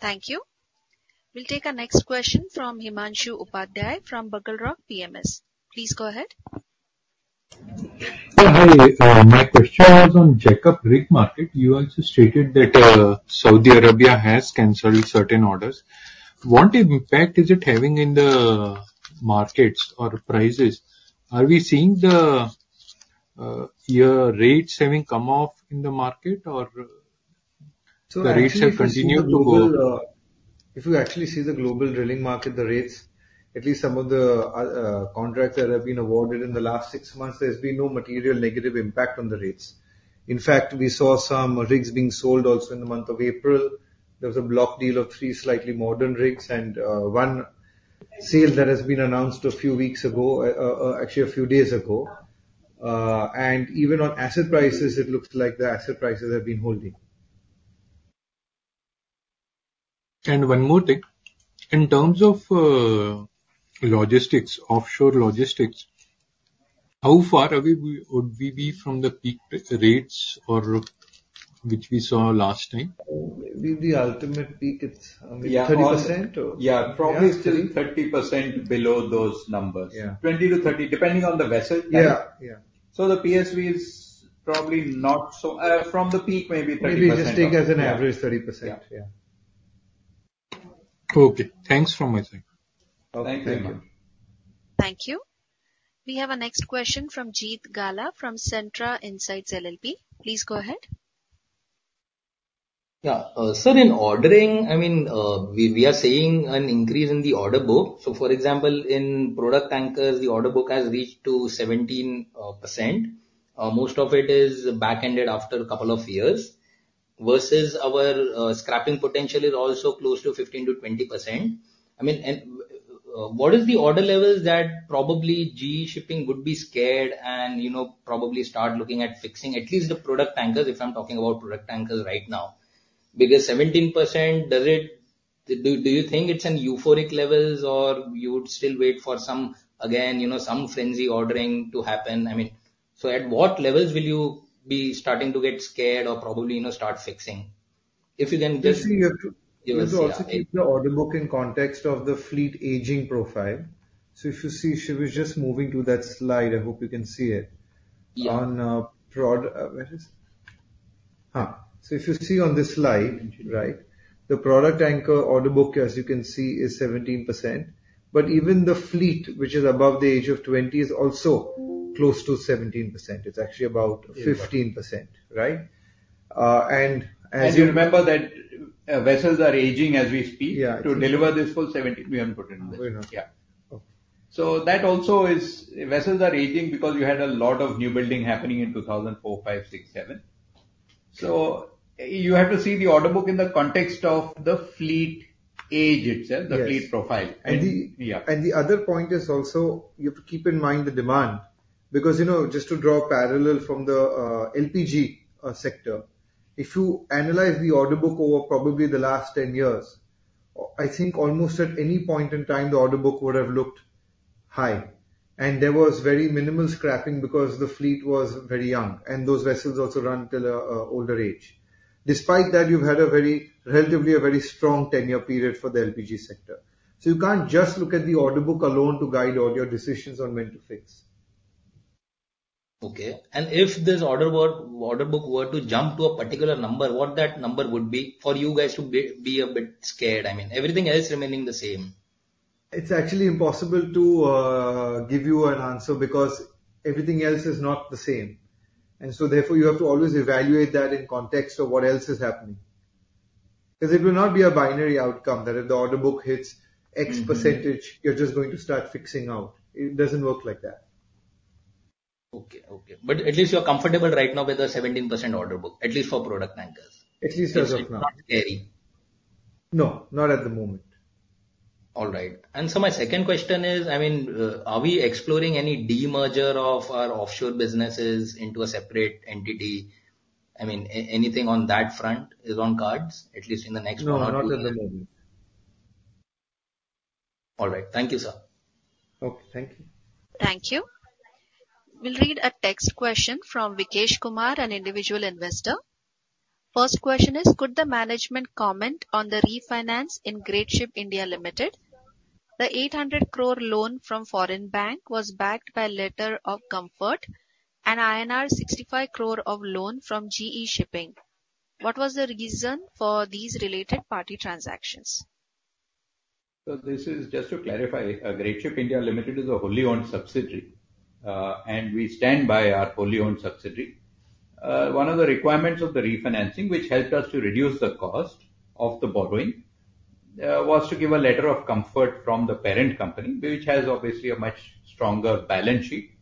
Thank you. We'll take our next question from Himanshu Upadhyay, from Bugle Rock Capital. Please go ahead. Yeah, hi. My question was on jack-up rig market. You also stated that Saudi Arabia has canceled certain orders. What impact is it having in the markets or prices? Are we seeing the your rates having come off in the market or the rates have continued to go? If you actually see the global drilling market, the rates, at least some of the, contract that have been awarded in the last 6 months, there's been no material negative impact on the rates. In fact, we saw some rigs being sold also in the month of April. There was a block deal of three slightly modern rigs and, one sale that has been announced a few weeks ago, actually, a few days ago. And even on asset prices, it looks like the asset prices have been holding. One more thing. In terms of logistics, offshore logistics, how far away we would we be from the peak rates or—which we saw last time? Maybe the ultimate peak, it's only 30% or- Yeah, probably still 30% below those numbers. Yeah. 20-30, depending on the vessel type. Yeah, yeah. So the PSV is probably not so... from the peak, maybe 30%. Maybe just take as an average, 30%. Yeah. Okay. Thanks very much. Thank you. Thank you. Thank you. We have our next question from Jeet Gala, from Centrum Broking. Please go ahead. Yeah. So in ordering, I mean, we are seeing an increase in the order book. So for example, in product tankers, the order book has reached to 17%. Most of it is back-ended after a couple of years, versus our scrapping potential is also close to 15% to 20%. I mean, and what is the order levels that probably GE Shipping would be scared and, you know, probably start looking at fixing at least the product tankers, if I'm talking about product tankers right now? Because 17%, does it... Do you think it's in euphoric levels, or you would still wait for some, again, you know, some frenzy ordering to happen? I mean, so at what levels will you be starting to get scared or probably, you know, start fixing? If you can just give us, yeah- You have to also keep the order book in context of the fleet aging profile. So if you see, Shivu is just moving to that slide. I hope you can see it. Yeah. So if you see on this slide, right, the product tanker order book, as you can see, is 17%, but even the fleet, which is above the age of 20, is also close to 17%. It's actually about 15%, right? And as you- You remember that vessels are aging as we speak- Yeah to deliver this full 17, we haven't put in there. Very nice. Yeah. So that also is, vessels are aging because you had a lot of new building happening in 2004, 2005, 2006, 2007. So you have to see the order book in the context of the fleet age itself- Yes. the fleet profile. And, yeah. The other point is also, you have to keep in mind the demand. Because, you know, just to draw a parallel from the LPG sector, if you analyze the order book over probably the last 10 years, I think almost at any point in time, the order book would have looked high. And there was very minimal scrapping because the fleet was very young, and those vessels also run till older age. Despite that, you've had a very, relatively a very strong 10-year period for the LPG sector. So you can't just look at the order book alone to guide all your decisions on when to fix. Okay. If this order book were to jump to a particular number, what that number would be for you guys to be a bit scared? I mean, everything else remaining the same. It's actually impossible to, give you an answer because everything else is not the same. And so therefore, you have to always evaluate that in context of what else is happening. Because it will not be a binary outcome, that if the order book hits X percentage- Mm-hmm. You're just going to start fixing out. It doesn't work like that. ... Okay, okay. But at least you're comfortable right now with the 17% order book, at least for product tankers? At least as of now. It's not scary. No, not at the moment. All right. And so my second question is, I mean, are we exploring any demerger of our offshore businesses into a separate entity? I mean, anything on that front is on the cards, at least in the next one or two years? No, not at the moment. All right. Thank you, sir. Okay, thank you. Thank you. We'll read a text question from Vikesh Kumar, an individual investor. First question is: Could the management comment on the refinance in Greatship (India) Limited? The 800 crore loan from foreign bank was backed by letter of comfort and INR 65 crore of loan from GE Shipping. What was the reason for these related party transactions? So this is just to clarify, Greatship (India) Limited is a wholly owned subsidiary, and we stand by our wholly owned subsidiary. One of the requirements of the refinancing, which helped us to reduce the cost of the borrowing, was to give a letter of comfort from the parent company, which has obviously a much stronger balance sheet,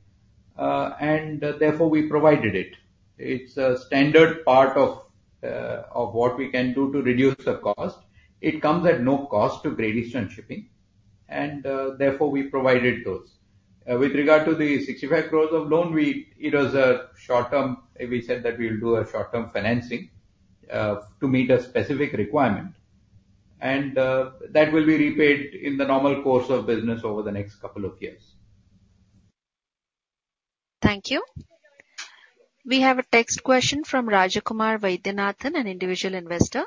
and therefore, we provided it. It's a standard part of what we can do to reduce the cost. It comes at no cost to Great Eastern Shipping, and therefore, we provided those. With regard to the 65 crore loan, it was a short-term. We said that we'll do a short-term financing to meet a specific requirement. And that will be repaid in the normal course of business over the next couple of years. Thank you. We have a text question from Rajkumar Vaidyanathan, an individual investor.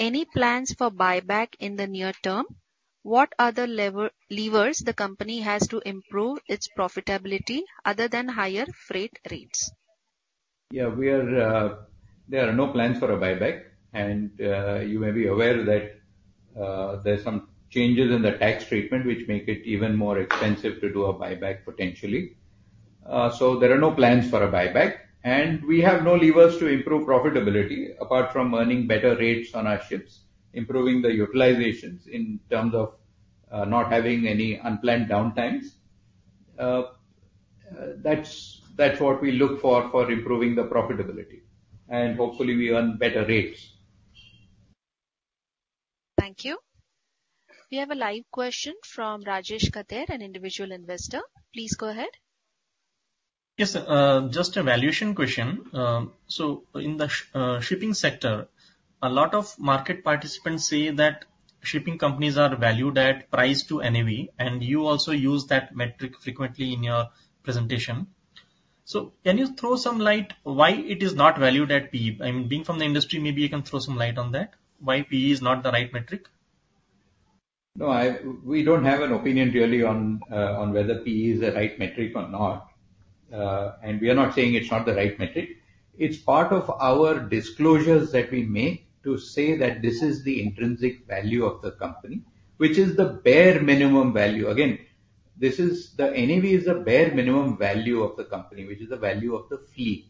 Any plans for buyback in the near term? What other levers the company has to improve its profitability other than higher freight rates? Yeah, we are, there are no plans for a buyback, and, you may be aware that, there's some changes in the tax treatment, which make it even more expensive to do a buyback, potentially. So there are no plans for a buyback, and we have no levers to improve profitability, apart from earning better rates on our ships, improving the utilizations in terms of, not having any unplanned downtimes. That's, that's what we look for, for improving the profitability, and hopefully we earn better rates. Thank you. We have a live question from Rajesh Khattar, an individual investor. Please go ahead. Yes, sir, just a valuation question. So in the shipping sector, a lot of market participants say that shipping companies are valued at price to NAV, and you also use that metric frequently in your presentation. So can you throw some light why it is not valued at P/E? I mean, being from the industry, maybe you can throw some light on that, why P/E is not the right metric. No, I, we don't have an opinion really on, on whether P/E is the right metric or not. We are not saying it's not the right metric. It's part of our disclosures that we make to say that this is the intrinsic value of the company, which is the bare minimum value. Again, this is the... NAV is the bare minimum value of the company, which is the value of the fleet,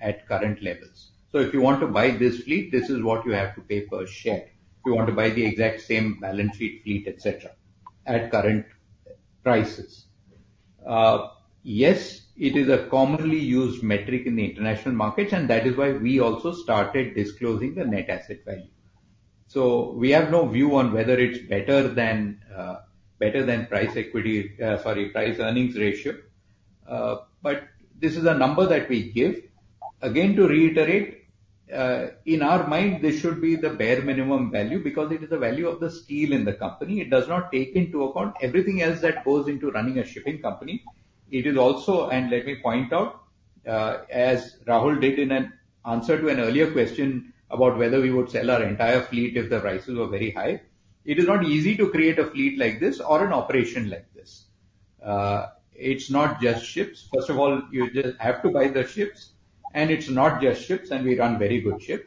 at current levels. So if you want to buy this fleet, this is what you have to pay per share. If you want to buy the exact same balance sheet, fleet, et cetera, at current prices. Yes, it is a commonly used metric in the international markets, and that is why we also started disclosing the net asset value. So we have no view on whether it's better than price equity, sorry, price earnings ratio. But this is a number that we give. Again, to reiterate, in our mind, this should be the bare minimum value because it is the value of the steel in the company. It does not take into account everything else that goes into running a shipping company. It is also, and let me point out, as Rahul did in an answer to an earlier question about whether we would sell our entire fleet if the prices were very high, it is not easy to create a fleet like this or an operation like this. It's not just ships. First of all, you just have to buy the ships, and it's not just ships, and we run very good ships.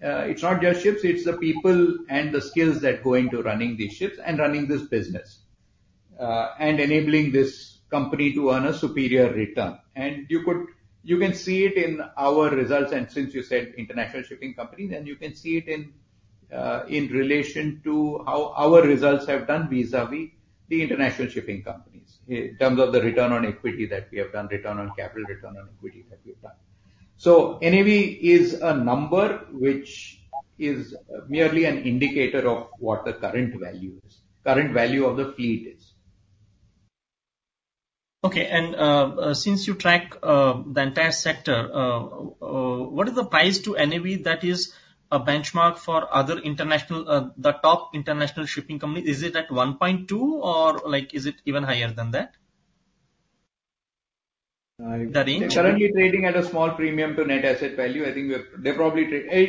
It's not just ships, it's the people and the skills that go into running these ships and running this business, and enabling this company to earn a superior return. And you can see it in our results, and since you said international shipping company, then you can see it in relation to how our results have done vis-a-vis the international shipping companies, in terms of the return on equity that we have done, return on capital, return on equity that we have done. So NAV is a number which is merely an indicator of what the current value is, current value of the fleet is. Okay, and, since you track the entire sector, what is the price to NAV that is a benchmark for other international, the top international shipping company? Is it at 1.2, or like, is it even higher than that? The range. Currently, trading at a small premium to net asset value. It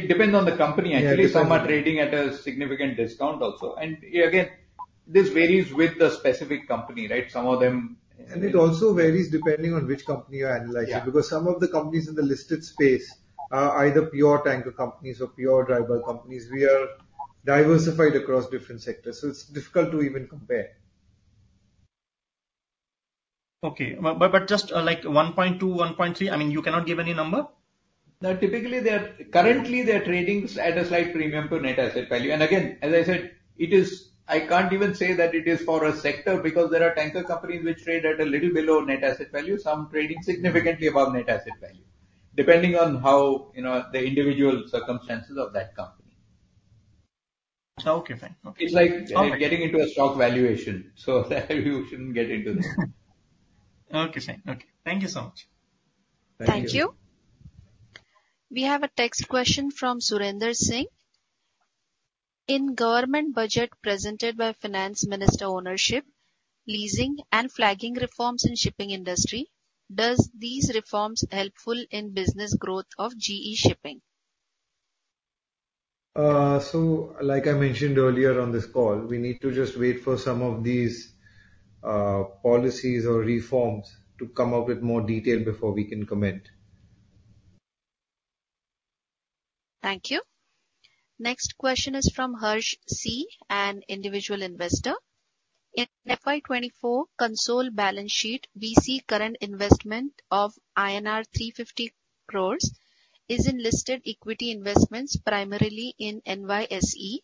depends on the company, actually. Yeah. Some are trading at a significant discount also. Again, this varies with the specific company, right? Some of them- It also varies depending on which company you're analyzing. Yeah. Because some of the companies in the listed space are either pure tanker companies or pure dry bulk companies. We are diversified across different sectors, so it's difficult to even compare. Okay. But just, like 1.2, 1.3, I mean, you cannot give any number.... Now, typically, they are, currently they are trading at a slight premium to net asset value. And again, as I said, it is- I can't even say that it is for a sector, because there are tanker companies which trade at a little below net asset value, some trading significantly above net asset value, depending on how, you know, the individual circumstances of that company. Okay, fine. Okay. It's like getting into a stock valuation, so we shouldn't get into that. Okay, sir. Okay. Thank you so much. Thank you. Thank you. We have a text question from Surender Singh: In government budget presented by Finance Minister, ownership, leasing and flagging reforms in shipping industry, does these reforms helpful in business growth of GE Shipping? Like I mentioned earlier on this call, we need to just wait for some of these policies or reforms to come up with more detail before we can comment. Thank you. Next question is from Harsh C., an individual investor: In FY 2024 consolidated balance sheet, we see current investment of INR 350 crores in listed equity investments primarily in NYSE,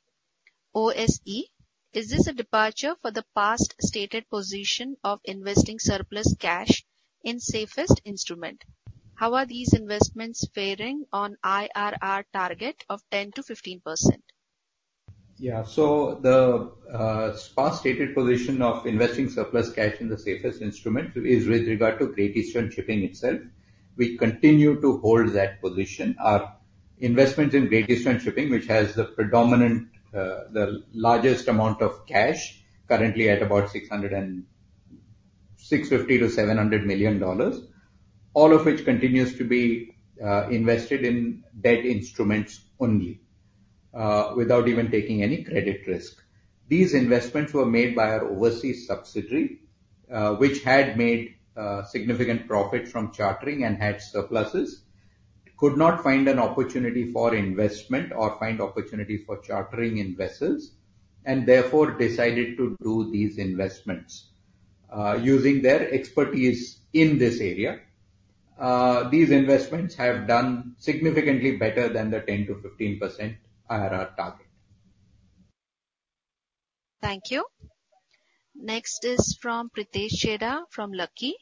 OSE. Is this a departure from the past stated position of investing surplus cash in safest instrument? How are these investments faring on IRR target of 10% to 15%? Yeah. So the past stated position of investing surplus cash in the safest instrument is with regard to Great Eastern Shipping itself. We continue to hold that position. Our investment in Great Eastern Shipping, which has the predominant, the largest amount of cash, currently at about $650 million to $700 million, all of which continues to be invested in debt instruments only, without even taking any credit risk. These investments were made by our overseas subsidiary, which had made significant profit from chartering and had surpluses, could not find an opportunity for investment or find opportunity for chartering in vessels, and therefore decided to do these investments, using their expertise in this area. These investments have done significantly better than the 10% to 15% IRR target. Thank you. Next is from Pritesh Chheda from Lucky: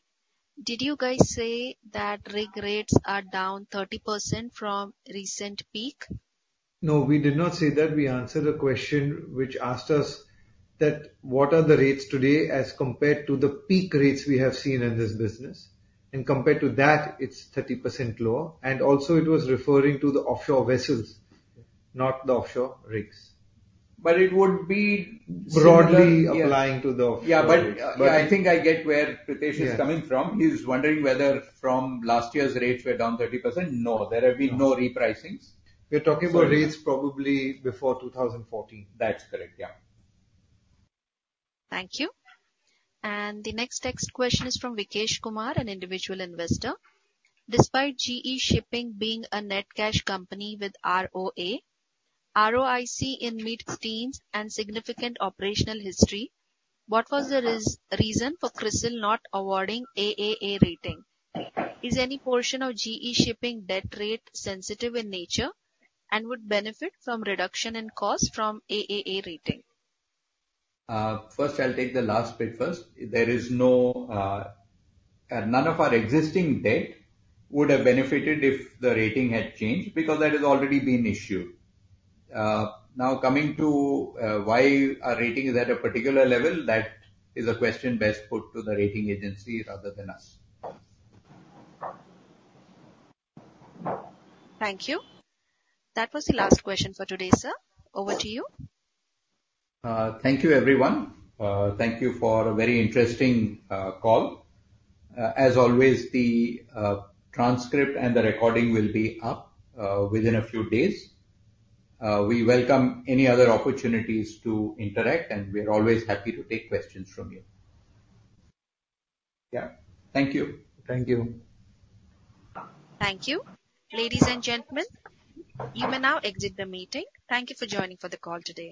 Did you guys say that rig rates are down 30% from recent peak? No, we did not say that. We answered a question which asked us that, what are the rates today as compared to the peak rates we have seen in this business? And compared to that, it's 30% lower, and also it was referring to the offshore vessels, not the offshore rigs. But it would be broadly applying to the offshore. Yeah, but I think I get where Pritesh is coming from. Yeah. He's wondering whether from last year's rates were down 30%. No, there have been no repricings. We're talking about rates probably before 2014. That's correct. Yeah. Thank you. And the next text question is from Vikesh Kumar, an individual investor: Despite GE Shipping being a net cash company with ROA, ROIC in mid-teens and significant operational history, what was the reason for CRISIL not awarding AAA rating? Is any portion of GE Shipping debt rate sensitive in nature, and would benefit from reduction in cost from AAA rating? First, I'll take the last bit first. There is none of our existing debt would have benefited if the rating had changed, because that has already been issued. Now, coming to why our rating is at a particular level, that is a question best put to the rating agency rather than us. Thank you. That was the last question for today, sir. Over to you. Thank you, everyone. Thank you for a very interesting call. As always, the transcript and the recording will be up within a few days. We welcome any other opportunities to interact, and we're always happy to take questions from you. Yeah. Thank you. Thank you. Thank you. Ladies and gentlemen, you may now exit the meeting. Thank you for joining for the call today.